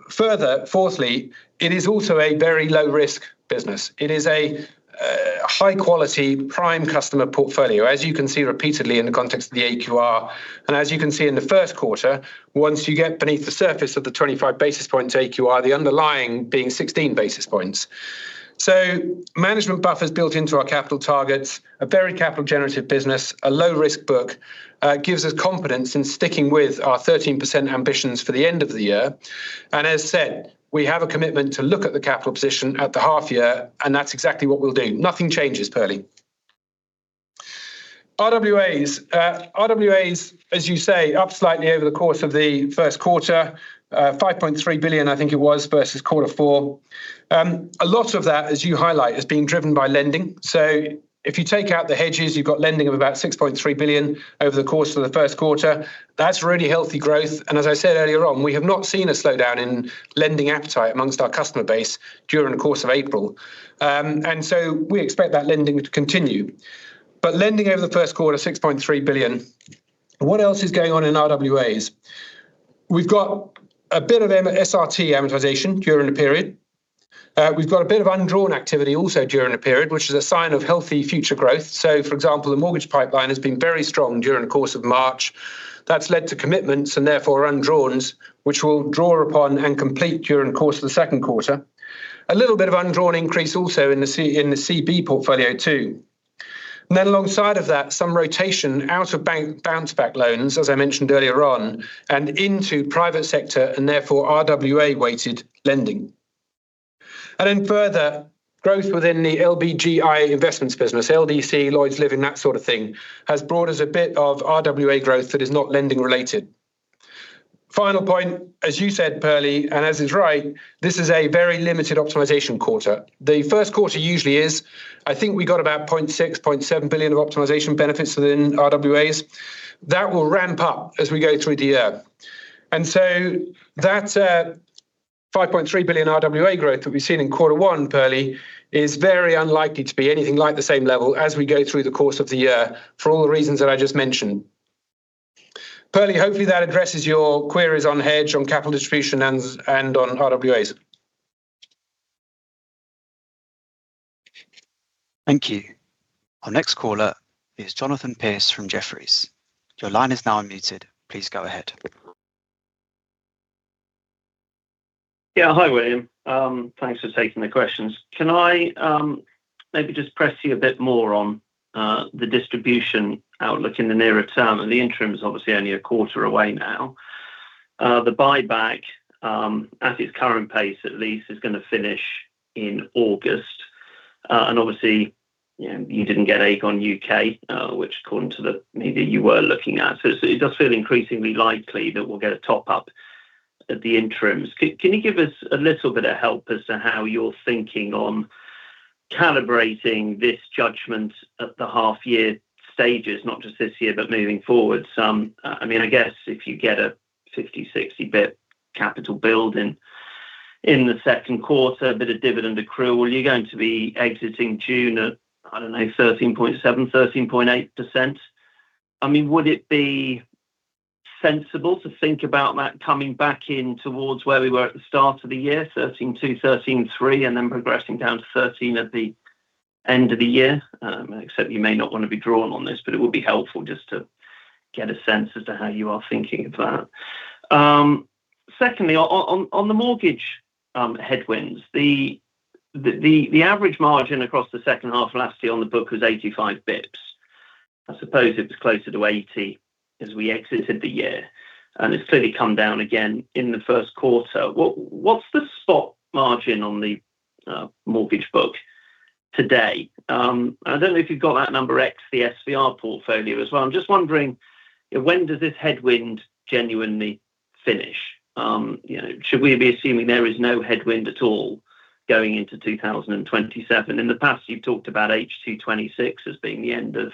Further, fourthly, it is also a very low-risk business. It is a high quality prime customer portfolio, as you can see repeatedly in the context of the AQR and as you can see in the first quarter, once you get beneath the surface of the 25 basis points AQR, the underlying being 16 basis points. Management buffer's built into our capital targets. A very capital generative business, a low risk book, gives us confidence in sticking with our 13% ambitions for the end of the year. As said, we have a commitment to look at the capital position at the half year, and that's exactly what we'll do. Nothing changes, Perlie. RWAs. RWAs, as you say, up slightly over the course of the first quarter, 5.3 billion, I think it was, versus quarter four. A lot of that, as you highlight, is being driven by lending. If you take out the hedges, you've got lending of about 6.3 billion over the course of the first quarter. That's really healthy growth. As I said earlier on, we have not seen a slowdown in lending appetite amongst our customer base during the course of April. We expect that lending to continue. Lending over the first quarter, 6.3 billion. What else is going on in RWAs? We've got a bit of SRT amortization during the period. We've got a bit of undrawn activity also during the period, which is a sign of healthy future growth. For example, the mortgage pipeline has been very strong during the course of March. That's led to commitments and therefore undrawns, which we'll draw upon and complete during the course of the second quarter. A little bit of undrawn increase also in the CB portfolio too. Alongside of that, some rotation out of bank Bounce Back Loans, as I mentioned earlier on, and into private sector and therefore RWA-weighted lending. Further, growth within the LBGI investments business, LDC, Lloyds Living, that sort of thing, has brought us a bit of RWA growth that is not lending related. Final point, as you said, Perlie, and as is right, this is a very limited optimization quarter. The first quarter usually is. I think we got about 0.6 billion-0.7 billion of optimization benefits within RWAs. That will ramp up as we go through the year. That, 5.3 billion RWA growth that we've seen in quarter one, Perlie, is very unlikely to be anything like the same level as we go through the course of the year for all the reasons that I just mentioned. Perlie, hopefully that addresses your queries on hedge, on capital distribution, and on RWAs. Thank you. Our next caller is Jonathan Pierce from Jefferies. Your line is now unmuted. Please go ahead. Yeah, hi, William. Thanks for taking the questions. Can I maybe just press you a bit more on the distribution outlook in the nearer term? The interim is obviously only a quarter away now. The buyback, at its current pace at least, is gonna finish in August. Obviously, you know, you didn't get Aegon UK, which according to the media you were looking at. It does feel increasingly likely that we'll get a top-up at the interims. Can you give us a little bit of help as to how you're thinking on calibrating this judgment at the half-year stages, not just this year, but moving forward some. I mean, I guess if you get a 50, 60 basis points capital build in the second quarter, a bit of dividend accrual, you're going to be exiting June at, I don't know, 13.7%, 13.8%. I mean, would it be sensible to think about that coming back in towards where we were at the start of the year, 13.2%, 13.3%, and then progressing down to 13% at the end of the year? I accept you may not want to be drawn on this, it would be helpful just to get a sense as to how you are thinking of that. Secondly, on the mortgage headwinds, the average margin across the second half of last year on the book was 85 basis points. I suppose it was closer to 80 as we exited the year. It's clearly come down again in the first quarter. What's the spot margin on the mortgage book today? I don't know if you've got that number ex the SVR portfolio as well. I'm just wondering, you know, when does this headwind genuinely finish? You know, should we be assuming there is no headwind at all going into 2027? In the past, you've talked about H2 2026 as being the end of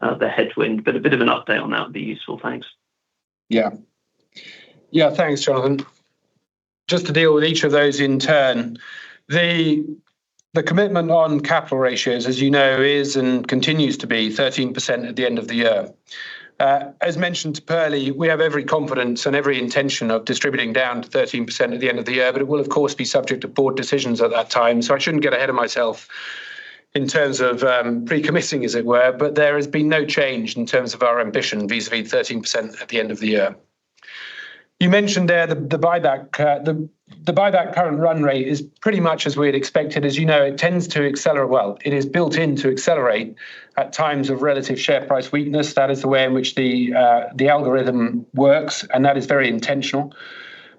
the headwind. A bit of an update on that would be useful. Thanks. Thanks, Jonathan. Just to deal with each of those in turn, the commitment on capital ratios, as you know, is and continues to be 13% at the end of the year. As mentioned to Perlie, we have every confidence and every intention of distributing down to 13% at the end of the year. It will of course, be subject to board decisions at that time. I shouldn't get ahead of myself in terms of pre-committing, as it were. There has been no change in terms of our ambition vis-a-vis 13% at the end of the year. You mentioned there the buyback. The buyback current run rate is pretty much as we had expected. As you know, well, it is built in to accelerate at times of relative share price weakness. That is the way in which the algorithm works, and that is very intentional.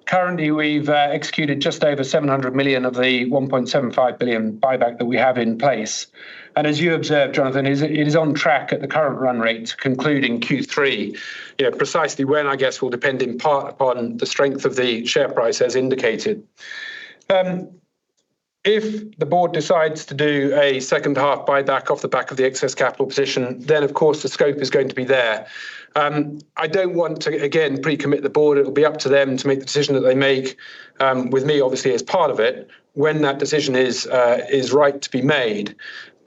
Currently, we've executed just over 700 million of the 1.75 billion buyback that we have in place. As you observed, Jonathan, it is on track at the current run rate to conclude in Q3. You know, precisely when, I guess, will depend in part upon the strength of the share price as indicated. If the board decides to do a second half buyback off the back of the excess capital position, of course the scope is going to be there. I don't want to, again, pre-commit the board. It'll be up to them to make the decision that they make, with me obviously as part of it when that decision is right to be made.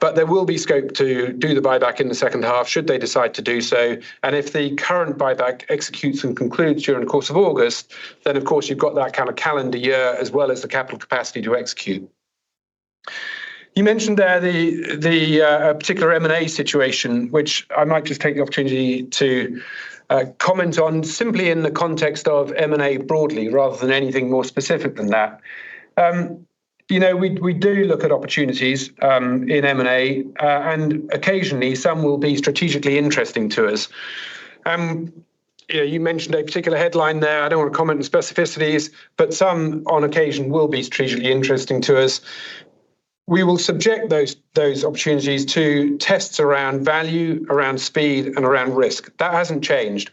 There will be scope to do the buyback in the second half should they decide to do so. If the current buyback executes and concludes during the course of August, then of course you've got that kind of calendar year as well as the capital capacity to execute. You mentioned there the particular M&A situation, which I might just take the opportunity to comment on simply in the context of M&A broadly, rather than anything more specific than that. You know, we do look at opportunities in M&A, and occasionally some will be strategically interesting to us. You know, you mentioned a particular headline there. I don't want to comment on specificities, but some on occasion will be strategically interesting to us. We will subject those opportunities to tests around value, around speed, and around risk. That hasn't changed.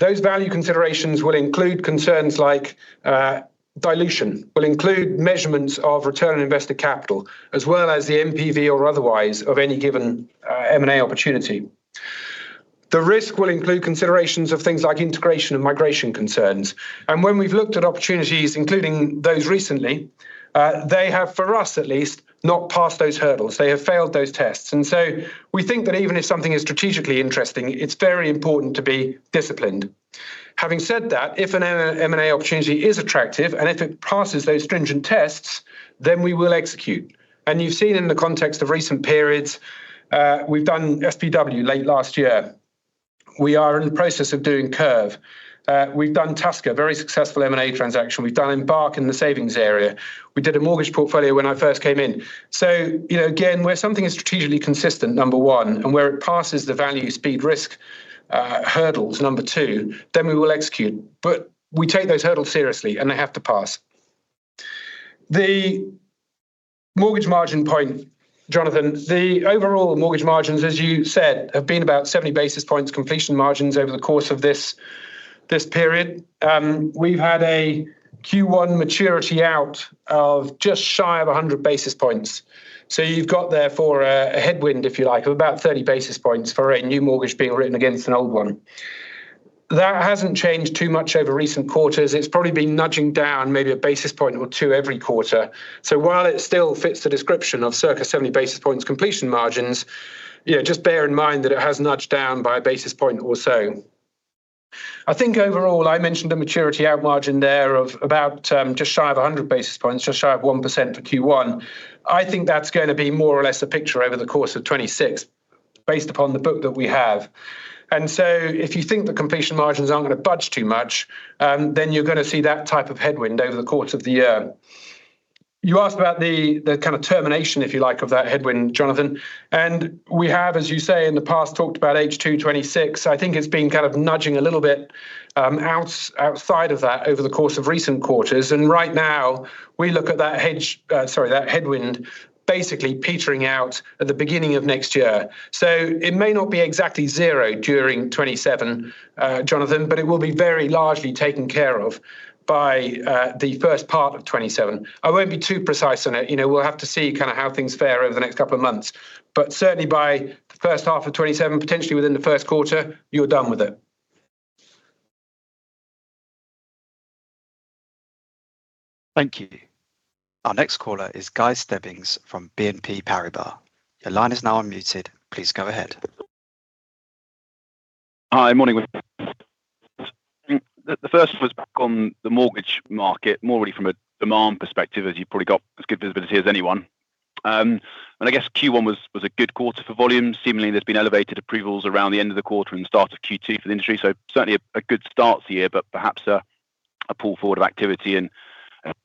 Those value considerations will include concerns like dilution, will include measurements of return on investor capital, as well as the NPV or otherwise of any given M&A opportunity. The risk will include considerations of things like integration and migration concerns. When we've looked at opportunities, including those recently, they have, for us at least, not passed those hurdles. They have failed those tests. We think that even if something is strategically interesting, it's very important to be disciplined. Having said that, if an M&A opportunity is attractive, and if it passes those stringent tests, then we will execute. You've seen in the context of recent periods, we've done SPW late last year. We are in the process of doing Curve. We've done Tusker, very successful M&A transaction. We've done Embark in the savings area. We did a mortgage portfolio when I first came in. You know, again, where something is strategically consistent, number one, and where it passes the value, speed, risk, hurdles, number two, then we will execute. We take those hurdles seriously, and they have to pass. The mortgage margin point, Jonathan, the overall mortgage margins, as you said, have been about 70 basis points completion margins over the course of this period. We've had a Q1 maturity out of just shy of 100 basis points. You've got therefore a headwind, if you like, of about 30 basis points for a new mortgage being written against an old one. That hasn't changed too much over recent quarters. It's probably been nudging down maybe 1 basis point or 2 every quarter. While it still fits the description of circa 70 basis points completion margins, just bear in mind that it has nudged down by a basis point or so. I think overall, I mentioned a maturity out margin there of about, just shy of 100 basis points, just shy of 1% for Q1. I think that's going to be more or less the picture over the course of 2026 based upon the book that we have. If you think the completion margins aren't going to budge too much, then you're going to see that type of headwind over the course of the year. You asked about the kind of termination, if you like, of that headwind, Jonathan. We have, as you say, in the past talked about H2 2026. I think it's been kind of nudging a little bit, outside of that over the course of recent quarters. Right now we look at that hedge, sorry, that headwind basically petering out at the beginning of next year. It may not be exactly zero during 2027, Jonathan, but it will be very largely taken care of by the first part of 2027. I won't be too precise on it. You know, we'll have to see kind of how things fare over the next couple of months. Certainly by the first half of 2027, potentially within the first quarter, you're done with it. Thank you. Our next caller is Guy Stebbings from BNP Paribas. Your line is now unmuted. Please go ahead. Hi. Morning. The first was back on the mortgage market, more really from a demand perspective, as you've probably got as good visibility as anyone. I guess Q1 was a good quarter for volume. Seemingly, there's been elevated approvals around the end of the quarter and start of Q2 for the industry. Certainly a good start to the year, but perhaps a pull forward of activity and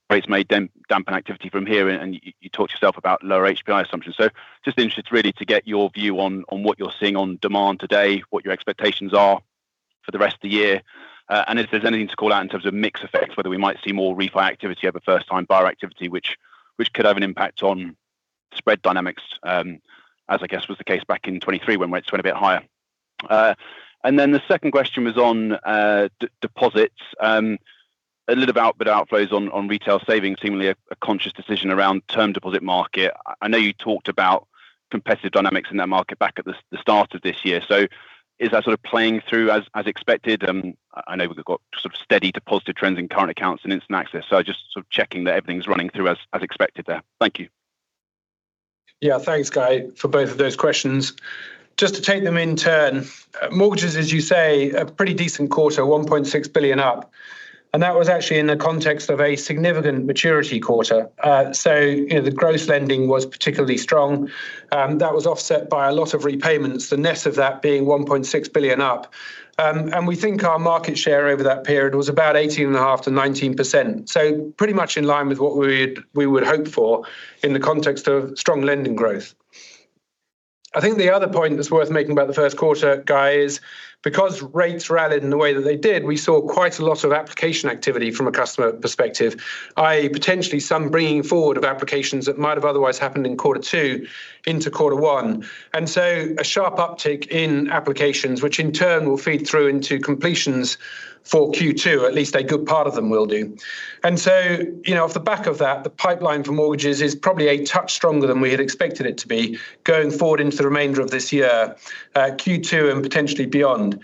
rates may dampen activity from here, and you talked yourself about lower HPI assumptions. Just interested really to get your view on what you're seeing on demand today, what your expectations are for the rest of the year, and if there's anything to call out in terms of mix effects, whether we might see more refi activity over first time buyer activity, which could have an impact on spread dynamics, as I guess was the case back in 2023 when rates went a bit higher. The second question was on deposits. A little bit about outflows on retail savings, seemingly a conscious decision around term deposit market. I know you talked about competitive dynamics in that market back at the start of this year. Is that sort of playing through as expected? I know we've got sort of steady deposit trends in current accounts and instant access, so just sort of checking that everything's running through as expected there. Thank you. Thanks, Guy, for both of those questions. Just to take them in turn, mortgages, as you say, a pretty decent quarter, 1.6 billion up. That was actually in the context of a significant maturity quarter. You know, the gross lending was particularly strong. That was offset by a lot of repayments, the net of that being 1.6 billion up. We think our market share over that period was about 18.5%-19%. Pretty much in line with what we would hope for in the context of strong lending growth. I think the other point that's worth making about the first quarter, Guy, is because rates were added in the way that they did, we saw quite a lot of application activity from a customer perspective, i.e., potentially some bringing forward of applications that might have otherwise happened in quarter two into quarter one. A sharp uptick in applications, which in turn will feed through into completions for Q2, at least a good part of them will do. You know, off the back of that, the pipeline for mortgages is probably a touch stronger than we had expected it to be going forward into the remainder of this year, Q2 and potentially beyond.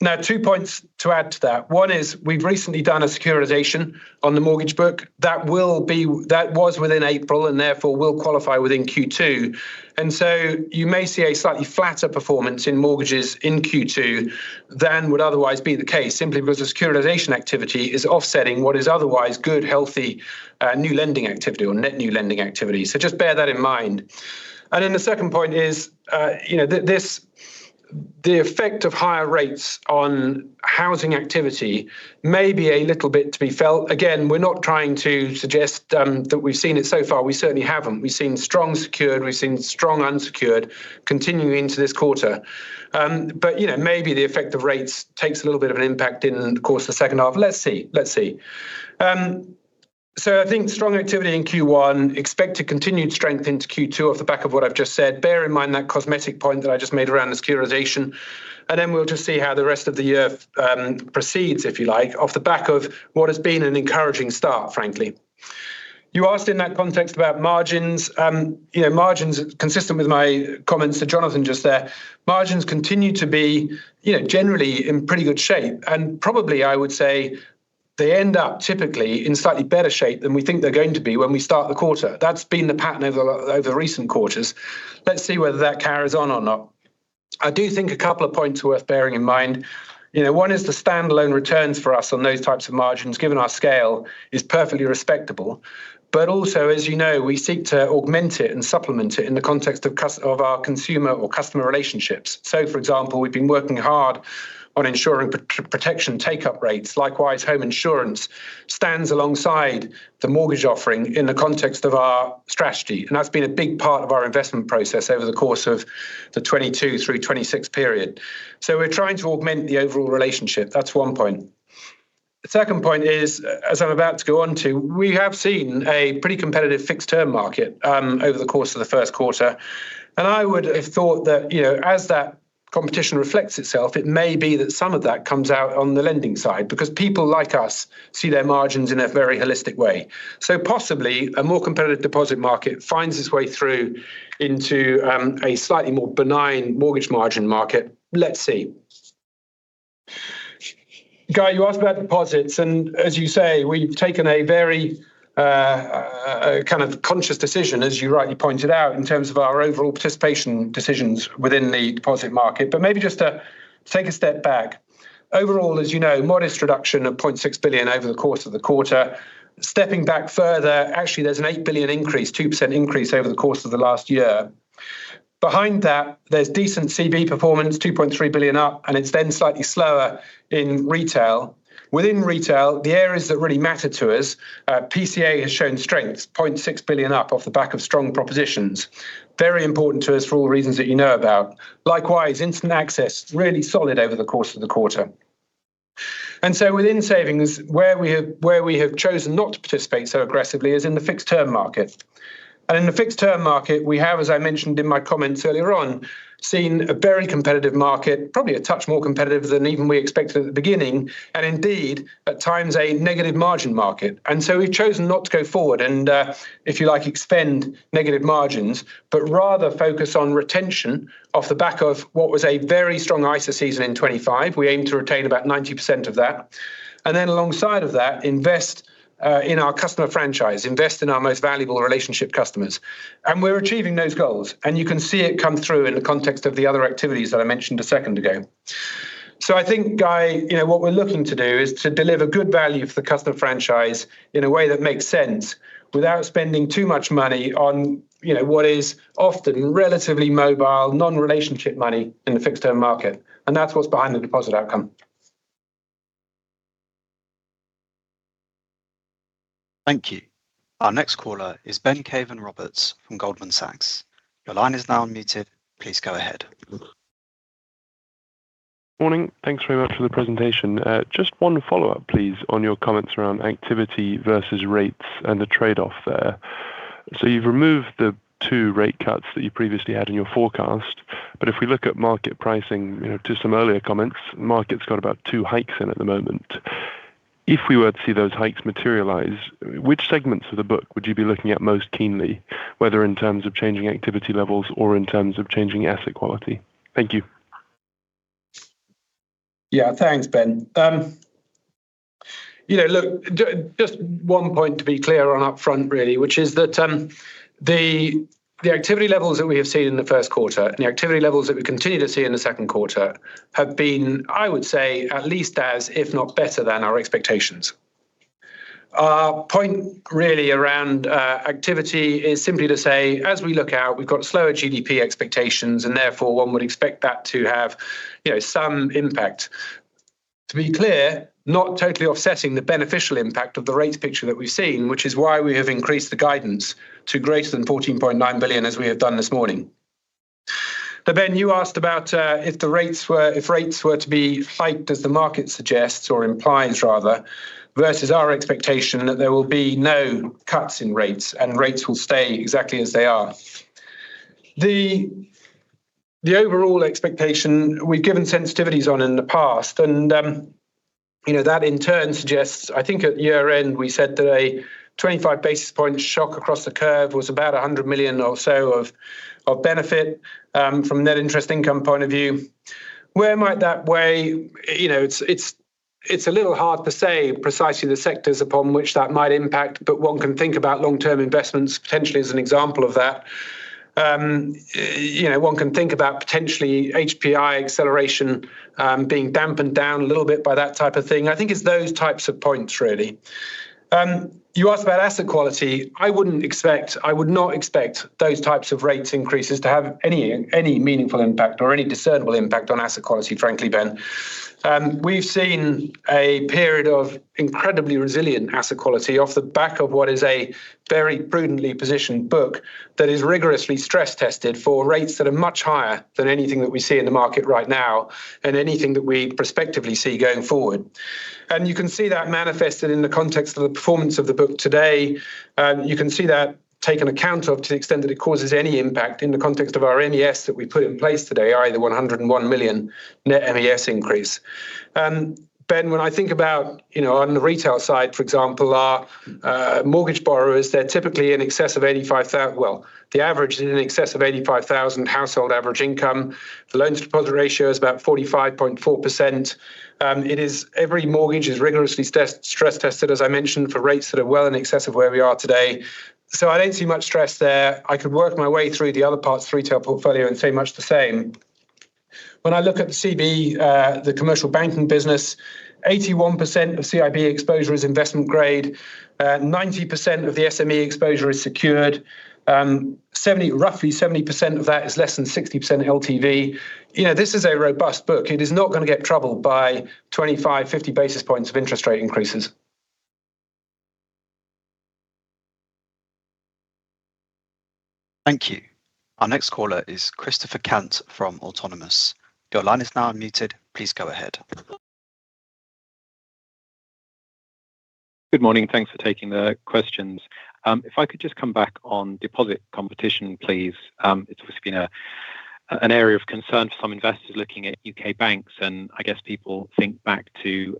Now two points to add to that. One is we've recently done a securitization on the mortgage book that was within April, and therefore will qualify within Q2. You may see a slightly flatter performance in mortgages in Q2 than would otherwise be the case, simply because the securitization activity is offsetting what is otherwise good, healthy, new lending activity or net new lending activity. Just bear that in mind. The second point is, you know, this, the effect of higher rates on housing activity may be a little bit to be felt. Again, we're not trying to suggest that we've seen it so far. We certainly haven't. We've seen strong secured, we've seen strong unsecured continuing into this quarter. You know, maybe the effect of rates takes a little bit of an impact in the course of the second half. Let's see. Let's see. I think strong activity in Q1 expect to continued strength into Q2 off the back of what I've just said. Bear in mind that cosmetic point that I just made around the securitization, and then we'll just see how the rest of the year proceeds, if you like, off the back of what has been an encouraging start, frankly. You asked in that context about margins. You know, margins consistent with my comments to Jonathan just there. Margins continue to be, you know, generally in pretty good shape and probably, I would say they end up typically in slightly better shape than we think they're going to be when we start the quarter. That's been the pattern over recent quarters. Let's see whether that carries on or not. I do think a couple of points worth bearing in mind. You know, one is the standalone returns for us on those types of margins, given our scale, is perfectly respectable. Also, as you know, we seek to augment it and supplement it in the context of our consumer or customer relationships. For example, we've been working hard on ensuring protection take-up rates. Likewise, home insurance stands alongside the mortgage offering in the context of our strategy, and that's been a big part of our investment process over the course of the 2022 through 2026 period. We're trying to augment the overall relationship. That's one point. The second point is, as I'm about to go on to, we have seen a pretty competitive fixed term market over the course of the first quarter, and I would have thought that, you know, as that competition reflects itself, it may be that some of that comes out on the lending side because people like us see their margins in a very holistic way. Possibly a more competitive deposit market finds its way through into a slightly more benign mortgage margin market. Let's see. Guy, you asked about deposits and as you say, we've taken a very kind of conscious decision, as you rightly pointed out, in terms of our overall participation decisions within the deposit market. Maybe just to take a step back. Overall, as you know, modest reduction of 0.6 billion over the course of the quarter. Stepping back further, actually, there's an 8 billion increase, 2% increase over the course of the last year. Behind that, there's decent CB performance, 2.3 billion up, and it's then slightly slower in retail. Within retail, the areas that really matter to us, PCA has shown strength, 0.6 billion up off the back of strong propositions. Very important to us for all reasons that you know about. Likewise, instant access really solid over the course of the quarter. Within savings, where we have chosen not to participate so aggressively is in the fixed term market. In the fixed term market, we have, as I mentioned in my comments earlier on, seen a very competitive market, probably a touch more competitive than even we expected at the beginning, and indeed at times a negative margin market. We've chosen not to go forward and, if you like, extend negative margins, but rather focus on retention off the back of what was a very strong ISA season in 2025. We aim to retain about 90% of that. Alongside of that, invest in our customer franchise, invest in our most valuable relationship customers. We're achieving those goals. You can see it come through in the context of the other activities that I mentioned a second ago. I think, Guy, you know, what we're looking to do is to deliver good value for the customer franchise in a way that makes sense without spending too much money on, you know, what is often relatively mobile, non-relationship money in the fixed term market. That's what's behind the deposit outcome. Thank you. Our next caller is Ben Caven-Roberts from Goldman Sachs. Your line is now unmuted. Please go ahead. Morning. Thanks very much for the presentation. Just one follow-up please, on your comments around activity versus rates and the trade-off there. You've removed the two rate cuts that you previously had in your forecast. If we look at market pricing, you know, to some earlier comments, market's got about two hikes in at the moment. If we were to see those hikes materialize, which segments of the book would you be looking at most keenly, whether in terms of changing activity levels or in terms of changing asset quality? Thank you. Yeah, thanks, Ben. You know, look, just one point to be clear on upfront really, which is that the activity levels that we have seen in the 1st quarter and the activity levels that we continue to see in the 2nd quarter have been, I would say, at least as if not better than our expectations. Point really around activity is simply to say, as we look out, we've got slower GDP expectations. Therefore, one would expect that to have, you know, some impact. To be clear, not totally offsetting the beneficial impact of the rates picture that we've seen, which is why we have increased the guidance to greater than 14.9 billion as we have done this morning. Ben, you asked about if rates were to be hiked, as the market suggests or implies rather, versus our expectation that there will be no cuts in rates and rates will stay exactly as they are. The overall expectation we've given sensitivities on in the past and, you know, that in turn suggests, I think at year-end we said that a 25 basis point shock across the curve was about 100 million or so of benefit from net interest income point of view. Where might that weigh? You know, it's a little hard to say precisely the sectors upon which that might impact, but one can think about long-term investments potentially as an example of that. You know, one can think about potentially HPI acceleration being dampened down a little bit by that type of thing. I think it's those types of points really. You asked about asset quality. I would not expect those types of rates increases to have any meaningful impact or any discernible impact on asset quality, frankly, Ben. We've seen a period of incredibly resilient asset quality off the back of what is a very prudently positioned book that is rigorously stress-tested for rates that are much higher than anything that we see in the market right now and anything that we prospectively see going forward. You can see that manifested in the context of the performance of the book today. You can see that taken account of to the extent that it causes any impact in the context of our MES that we put in place today, our either 101 million net MES increase. Ben, when I think about on the retail side, for example, our mortgage borrowers, they're typically in excess of 85,000 household average income. The loans deposit ratio is about 45.4%. It is every mortgage is rigorously stress-tested, as I mentioned, for rates that are well in excess of where we are today. I don't see much stress there. I could work my way through the other parts of retail portfolio and say much the same. When I look at the CB, the commercial banking business, 81% of CIB exposure is investment grade. 90% of the SME exposure is secured. Roughly 70% of that is less than 60% LTV. This is a robust book. It is not going to get troubled by 25, 50 basis points of interest rate increases. Thank you. Our next caller is Christopher Cant from Autonomous. Your line is now unmuted. Please go ahead. Good morning. Thanks for taking the questions. If I could just come back on deposit competition, please. It's obviously been an area of concern for some investors looking at U.K. banks, and I guess people think back to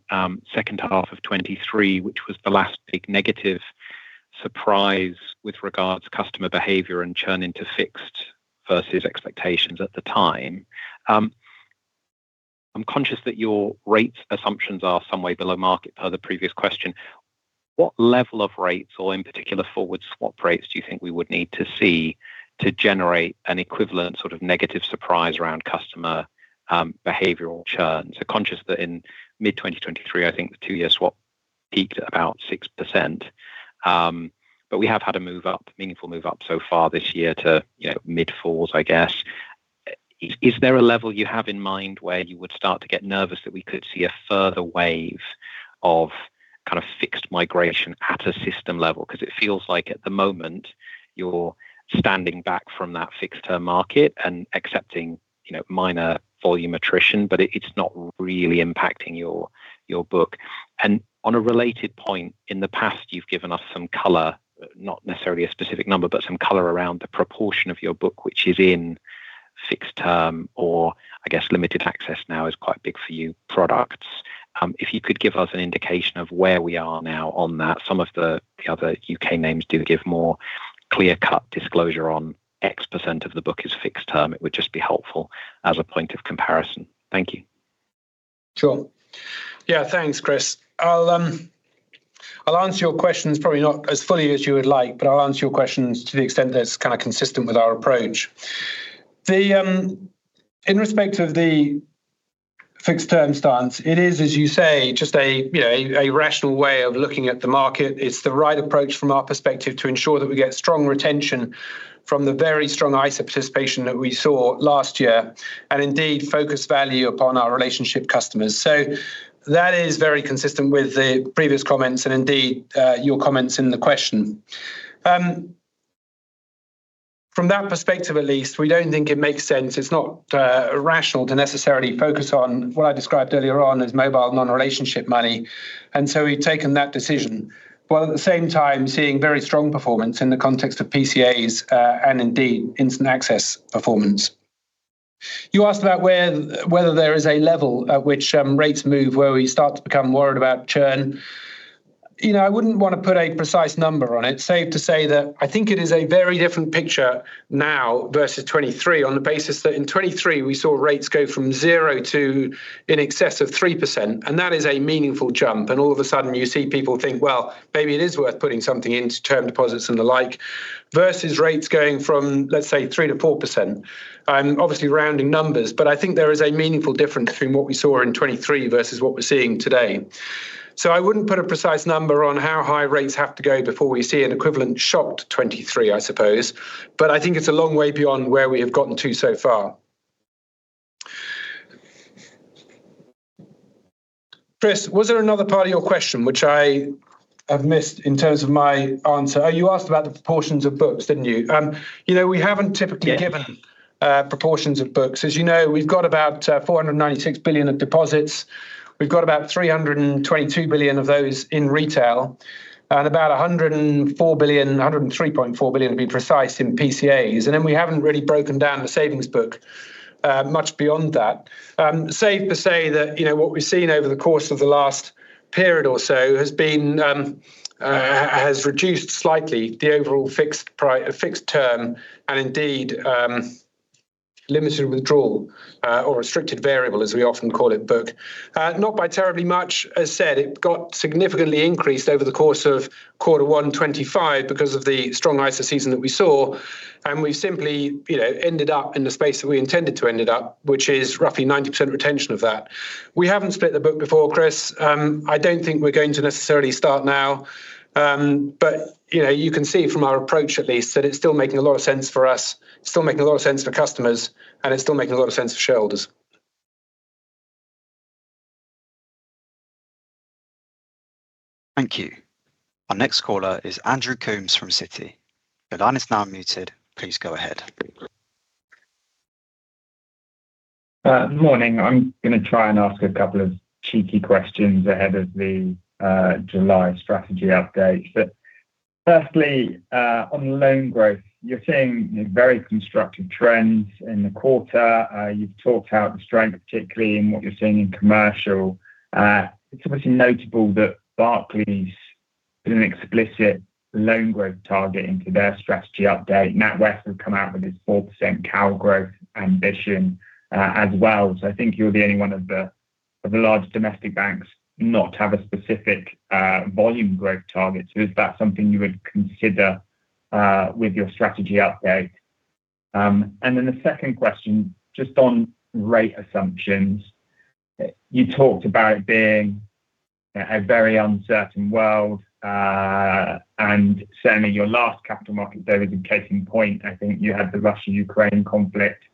second half of 2023, which was the last big negative surprise with regards customer behavior and churn into fixed versus expectations at the time. I'm conscious that your rates assumptions are some way below market per the previous question. What level of rates or, in particular, forward swap rates do you think we would need to see to generate an equivalent sort of negative surprise around customer behavioral churn? Conscious that in mid-2023, I think the two-year swap peaked at about 6%. We have had a move up, meaningful move up so far this year to, you know, mid-4s, I guess. Is there a level you have in mind where you would start to get nervous that we could see a further wave of kind of fixed migration at a system level? It feels like at the moment you're standing back from that fixed term market and accepting, you know, minor volume attrition, but it's not really impacting your book. On a related point, in the past, you've given us some color, not necessarily a specific number, but some color around the proportion of your book, which is in fixed term or, I guess, limited access now is quite big for you, products. If you could give us an indication of where we are now on that. Some of the other U.K. names do give more clear-cut disclosure on X percent of the book is fixed term. It would just be helpful as a point of comparison. Thank you. Sure. Thanks, Chris. I'll answer your questions probably not as fully as you would like, but I'll answer your questions to the extent that it's kind of consistent with our approach. The, in respect of the fixed term stance, it is, as you say, just a, you know, a rational way of looking at the market. It's the right approach from our perspective to ensure that we get strong retention from the very strong ISA participation that we saw last year, and indeed focus value upon our relationship customers. That is very consistent with the previous comments and indeed, your comments in the question. From that perspective at least, we don't think it makes sense. It's not irrational to necessarily focus on what I described earlier on as mobile non-relationship money. We've taken that decision, while at the same time seeing very strong performance in the context of PCAs, and indeed instant access performance. You asked about where, whether there is a level at which, rates move, where we start to become worried about churn. You know, I wouldn't wanna put a precise number on it. Safe to say that I think it is a very different picture now versus 2023 on the basis that in 2023 we saw rates go from 0% to in excess of 3%, and that is a meaningful jump. All of a sudden you see people think, "Well, maybe it is worth putting something into term deposits and the like," versus rates going from, let's say 3%-4%. I'm obviously rounding numbers. I think there is a meaningful difference between what we saw in 2023 versus what we're seeing today. I wouldn't put a precise number on how high rates have to go before we see an equivalent shock to 2023, I suppose. I think it's a long way beyond where we have gotten to so far. Chris, was there another part of your question which I have missed in terms of my answer? You asked about the proportions of books, didn't you? you know, we haven't typically given— Yeah —proportions of books. As you know, we've got about 496 billion of deposits. We've got about 322 billion of those in retail and about 104 billion, 103.4 billion to be precise, in PCAs. We haven't really broken down the savings book much beyond that. Safe to say that, you know, what we've seen over the course of the last period or so has been has reduced slightly the overall fixed term and indeed, limited withdrawal, or restricted variable as we often call it, book. Not by terribly much. As said, it got significantly increased over the course of quarter one 2025 because of the strong ISA season that we saw, and we simply, you know, ended up in the space that we intended to ended up, which is roughly 90% retention of that. We haven't split the book before, Chris. I don't think we're going to necessarily start now. You know, you can see from our approach at least that it's still making a lot of sense for us, still making a lot of sense for customers, and it's still making a lot of sense for shareholders. Thank you. Our next caller is Andrew Coombs from Citi. Your line is now unmuted. Please go ahead. Morning. I'm gonna try and ask a couple of cheeky questions ahead of the July strategy update. Firstly, on loan growth, you're seeing very constructive trends in the quarter. You've talked out the strength, particularly in what you're seeing in commercial. It's obviously notable that Barclays put an explicit loan growth target into their strategy update. NatWest have come out with this 4% CAL growth ambition as well. I think you're the only one of the large domestic banks not to have a specific volume growth target. Is that something you would consider with your strategy update? The second question, just on rate assumptions. You talked about it being a very uncertain world, and certainly your last capital market day was a case in point. I think you had the Russia-Ukraine conflict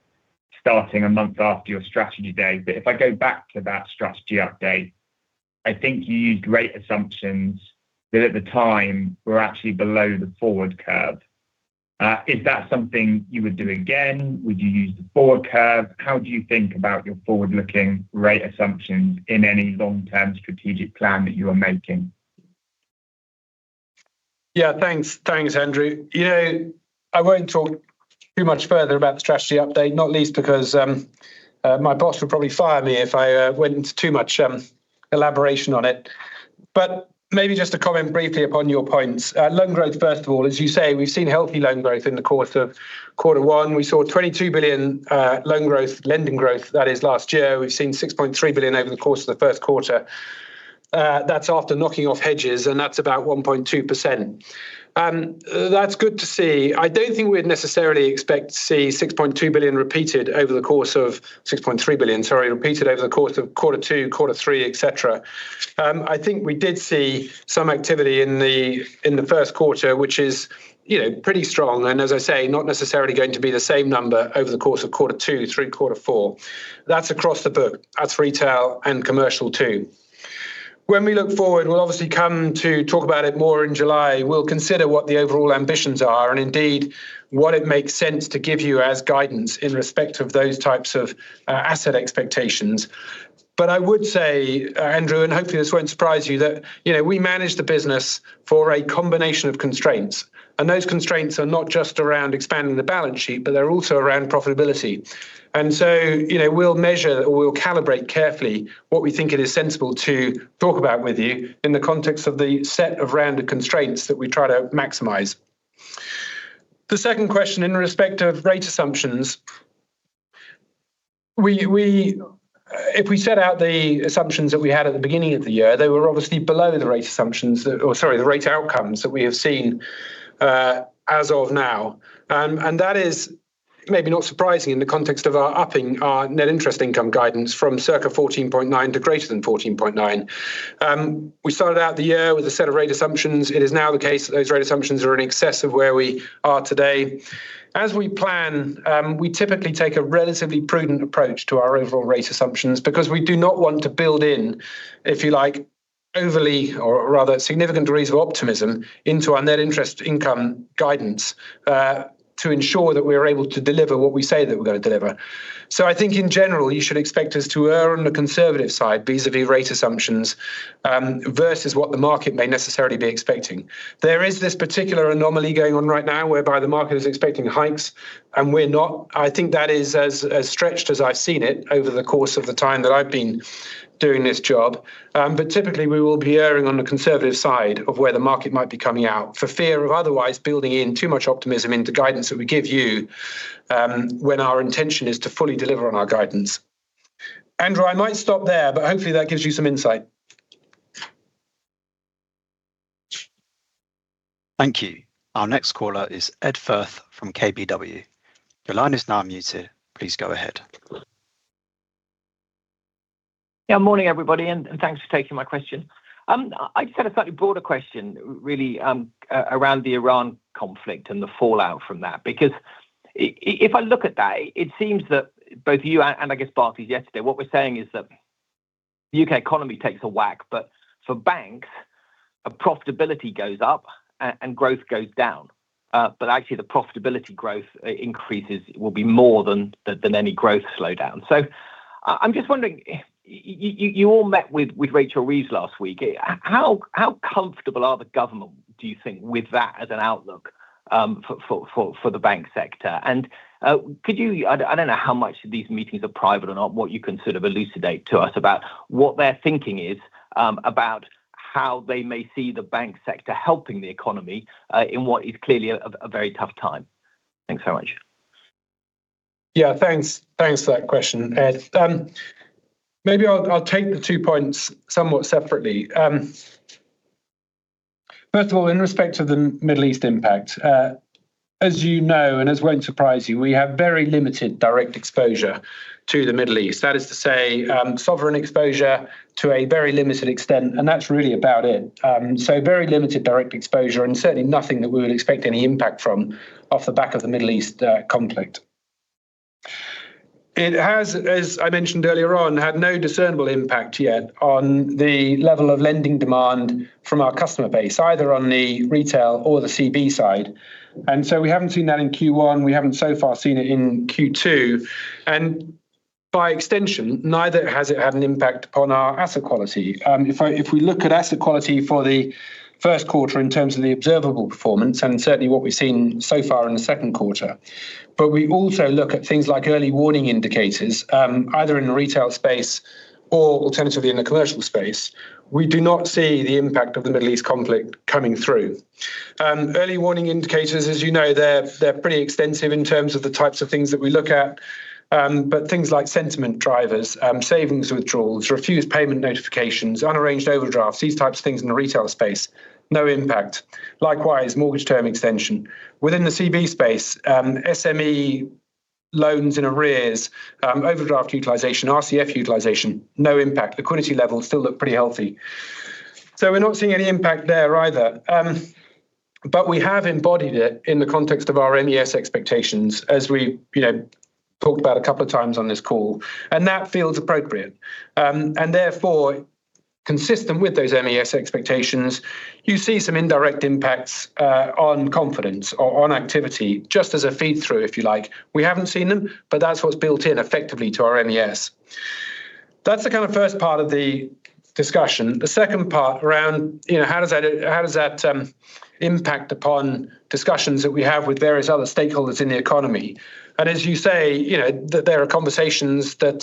starting a month after your strategy day. If I go back to that strategy update, I think you used rate assumptions that at the time were actually below the forward curve. Is that something you would do again? Would you use the forward curve? How do you think about your forward-looking rate assumptions in any long-term strategic plan that you are making? Yeah, thanks. Thanks, Andrew. You know, I won't talk too much further about the strategy update, not least because my boss would probably fire me if I went into too much elaboration on it. Maybe just to comment briefly upon your points. Loan growth, first of all, as you say, we've seen healthy loan growth in the course of quarter one. We saw 22 billion loan growth, lending growth that is, last year. We've seen 6.3 billion over the course of the first quarter. That's after knocking off hedges, that's about 1.2%. That's good to see. I don't think we'd necessarily expect to see 6.2 billion repeated over the course of, 6.3 billion, sorry, repeated over the course of quarter two, quarter three, et cetera. I think we did see some activity in the, in the first quarter, which is, you know, pretty strong and, as I say, not necessarily going to be the same number over the course of quarter two through quarter four. That's across the book. That's retail and commercial too. When we look forward, we'll obviously come to talk about it more in July. We'll consider what the overall ambitions are and indeed what it makes sense to give you as guidance in respect of those types of asset expectations. I would say, Andrew, and hopefully this won't surprise you, that, you know, we manage the business for a combination of constraints, and those constraints are not just around expanding the balance sheet, but they're also around profitability. You know, we'll measure or we'll calibrate carefully what we think it is sensible to talk about with you in the context of the set of rounded constraints that we try to maximize. The second question in respect of rate assumptions. If we set out the assumptions that we had at the beginning of the year, they were obviously below the rate assumptions, or sorry, the rate outcomes that we have seen as of now. That is maybe not surprising in the context of our upping our net interest income guidance from circa 14.9 to greater than 14.9. We started out the year with a set of rate assumptions. It is now the case that those rate assumptions are in excess of where we are today. As we plan, we typically take a relatively prudent approach to our overall rate assumptions because we do not want to build in, if you like, overly or rather significant degrees of optimism into our net interest income guidance to ensure that we're able to deliver what we say that we're gonna deliver. I think in general, you should expect us to err on the conservative side vis-à-vis rate assumptions versus what the market may necessarily be expecting. There is this particular anomaly going on right now whereby the market is expecting hikes and we're not. I think that is as stretched as I've seen it over the course of the time that I've been doing this job. Typically we will be erring on the conservative side of where the market might be coming out for fear of otherwise building in too much optimism into guidance that we give you, when our intention is to fully deliver on our guidance. Andrew, I might stop there, but hopefully that gives you some insight. Thank you. Our next caller is Ed Firth from KBW. Your line is now unmuted. Please go ahead. Yeah, morning, everybody, thanks for taking my question. I just had a slightly broader question really around the Iran conflict and the fallout from that. If I look at that, it seems that both you and I guess Barclays yesterday, what we're saying is that the U.K. economy takes a whack, but for banks, profitability goes up and growth goes down. Actually the profitability growth increases will be more than any growth slowdown. I'm just wondering, you all met with Rachel Reeves last week. How comfortable are the government, do you think, with that as an outlook? For the bank sector, could you, I don't know how much these meetings are private or not, what you can sort of elucidate to us about what their thinking is, about how they may see the bank sector helping the economy, in what is clearly a very tough time? Thanks so much. Yeah, thanks. Thanks for that question, Ed. Maybe I'll take the two points somewhat separately. First of all, in respect to the Middle East impact, as you know, and this won't surprise you, we have very limited direct exposure to the Middle East. That is to say, sovereign exposure to a very limited extent, and that's really about it. Very limited direct exposure, and certainly nothing that we would expect any impact from off the back of the Middle East conflict. It has, as I mentioned earlier on, had no discernible impact yet on the level of lending demand from our customer base, either on the retail or the CB side. We haven't seen that in Q1. We haven't so far seen it in Q2. By extension, neither has it had an impact upon our asset quality. If I, if we look at asset quality for the first quarter in terms of the observable performance, and certainly what we've seen so far in the second quarter, but we also look at things like early warning indicators, either in the retail space or alternatively in the commercial space. We do not see the impact of the Middle East conflict coming through. Early warning indicators, as you know, they're pretty extensive in terms of the types of things that we look at. But things like sentiment drivers, savings withdrawals, refused payment notifications, unarranged overdrafts, these types of things in the retail space, no impact. Likewise, mortgage term extension. Within the CB space, SME loans and arrears, overdraft utilization, RCF utilization, no impact. Liquidity levels still look pretty healthy. We're not seeing any impact there either. We have embodied it in the context of our MES expectations as we, you know, talked about a couple of times on this call, and that feels appropriate. Therefore, consistent with those MES expectations, you see some indirect impacts on confidence or on activity, just as a feed-through, if you like. We haven't seen them, that's what's built in effectively to our MES. That's the kind of first part of the discussion. The second part around, you know, how does that impact upon discussions that we have with various other stakeholders in the economy. As you say, you know, there are conversations that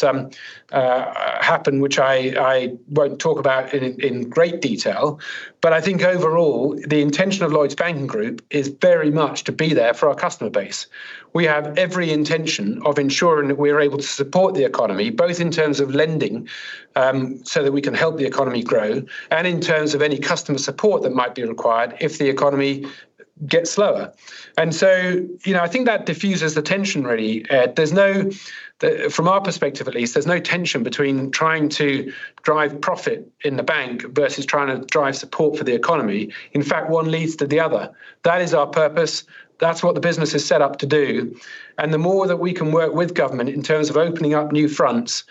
happen, which I won't talk about in great detail, I think overall, the intention of Lloyds Banking Group is very much to be there for our customer base. We have every intention of ensuring that we're able to support the economy, both in terms of lending, so that we can help the economy grow, and in terms of any customer support that might be required if the economy gets slower. You know, I think that diffuses the tension really, Ed. There's no, from our perspective at least, there's no tension between trying to drive profit in the bank versus trying to drive support for the economy. In fact, one leads to the other. That is our purpose. That's what the business is set up to do. The more that we can work with government in terms of opening up new fronts,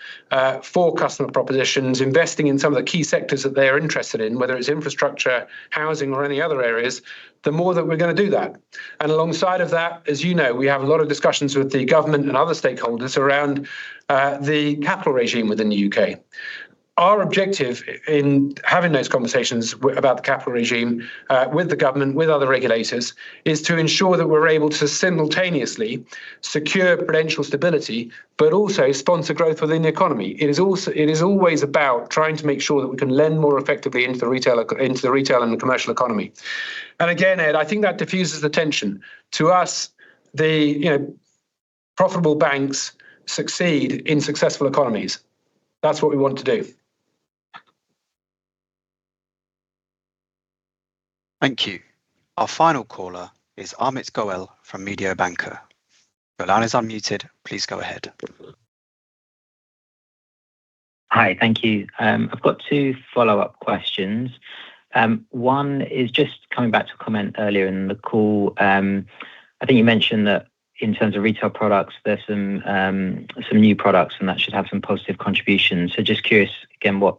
for customer propositions, investing in some of the key sectors that they are interested in, whether it's infrastructure, housing, or any other areas, the more that we're gonna do that. Alongside of that, as you know, we have a lot of discussions with the Government and other stakeholders around the capital regime within the U.K. Our objective in having those conversations about the capital regime, with the Government, with other regulators, is to ensure that we're able to simultaneously secure prudential stability, but also sponsor growth within the economy. It is also, it is always about trying to make sure that we can lend more effectively into the retail and commercial economy. Again, Ed, I think that diffuses the tension. To us, the, you know, profitable banks succeed in successful economies. That's what we want to do. Thank you. Our final caller is Amit Goel from Mediobanca. Your line is unmuted. Please go ahead. Hi, thank you. I've got two follow-up questions. One is just coming back to a comment earlier in the call. I think you mentioned that in terms of retail products, there's some new products, that should have some positive contributions. Just curious again, what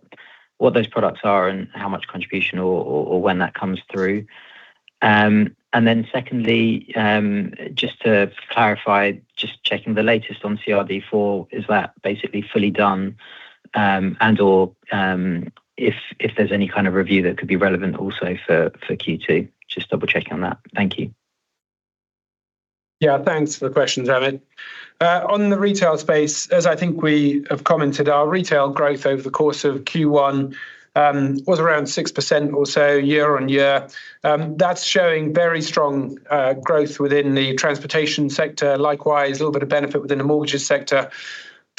those products are and how much contribution or when that comes through. Then secondly, just to clarify, just checking the latest on CRD IV. Is that basically fully done, and/or if there's any kind of review that could be relevant also for Q2? Just double-checking on that. Thank you. Yeah, thanks for the questions, Amit. On the retail space, as I think we have commented, our retail growth over the course of Q1 was around 6% or so year-over-year. That's showing very strong growth within the transportation sector. Likewise, a little bit of benefit within the mortgages sector.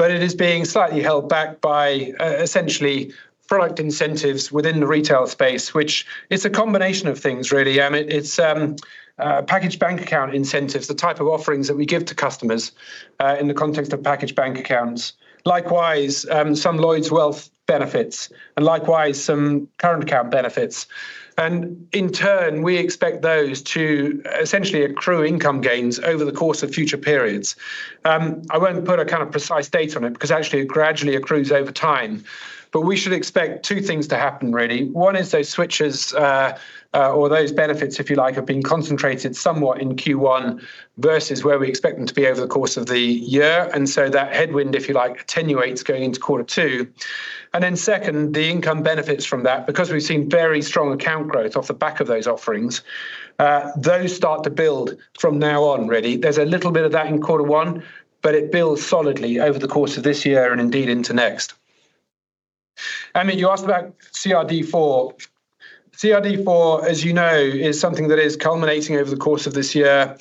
It is being slightly held back by essentially product incentives within the retail space, which it's a combination of things, really, Amit. It's package bank account incentives, the type of offerings that we give to customers in the context of package bank accounts. Likewise, some Lloyds Wealth benefits, and likewise, some current account benefits. In turn, we expect those to essentially accrue income gains over the course of future periods. I won't put a kind of precise date on it because actually it gradually accrues over time. We should expect two things to happen, really. One is those switches, or those benefits, if you like, have been concentrated somewhat in Q1 versus where we expect them to be over the course of the year. That headwind, if you like, attenuates going into quarter two. Second, the income benefits from that, because we've seen very strong account growth off the back of those offerings, those start to build from now on, really. There's a little bit of that in quarter one, it builds solidly over the course of this year and indeed into next. Amit, you asked about CRD IV. CRD IV, as you know, is something that is culminating over the course of this year.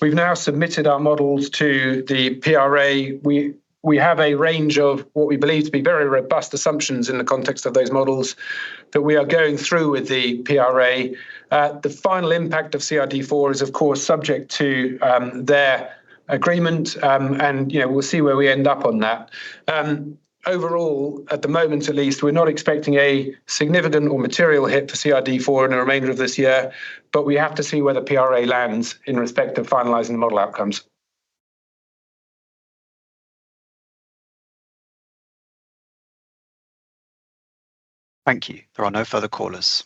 We've now submitted our models to the PRA. We have a range of what we believe to be very robust assumptions in the context of those models that we are going through with the PRA. The final impact of CRD IV is, of course, subject to their agreement, and, you know, we'll see where we end up on that. Overall, at the moment at least, we're not expecting a significant or material hit for CRD IV in the remainder of this year, but we have to see where the PRA lands in respect of finalizing the model outcomes. Thank you. There are no further callers.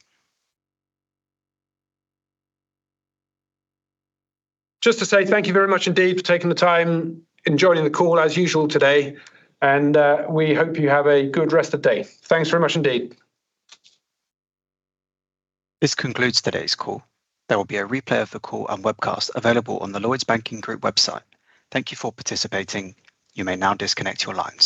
Just to say thank you very much indeed for taking the time and joining the call as usual today. We hope you have a good rest of day. Thanks very much indeed. This concludes today's call. There will be a replay of the call and webcast available on the Lloyds Banking Group website. Thank you for participating. You may now disconnect your lines.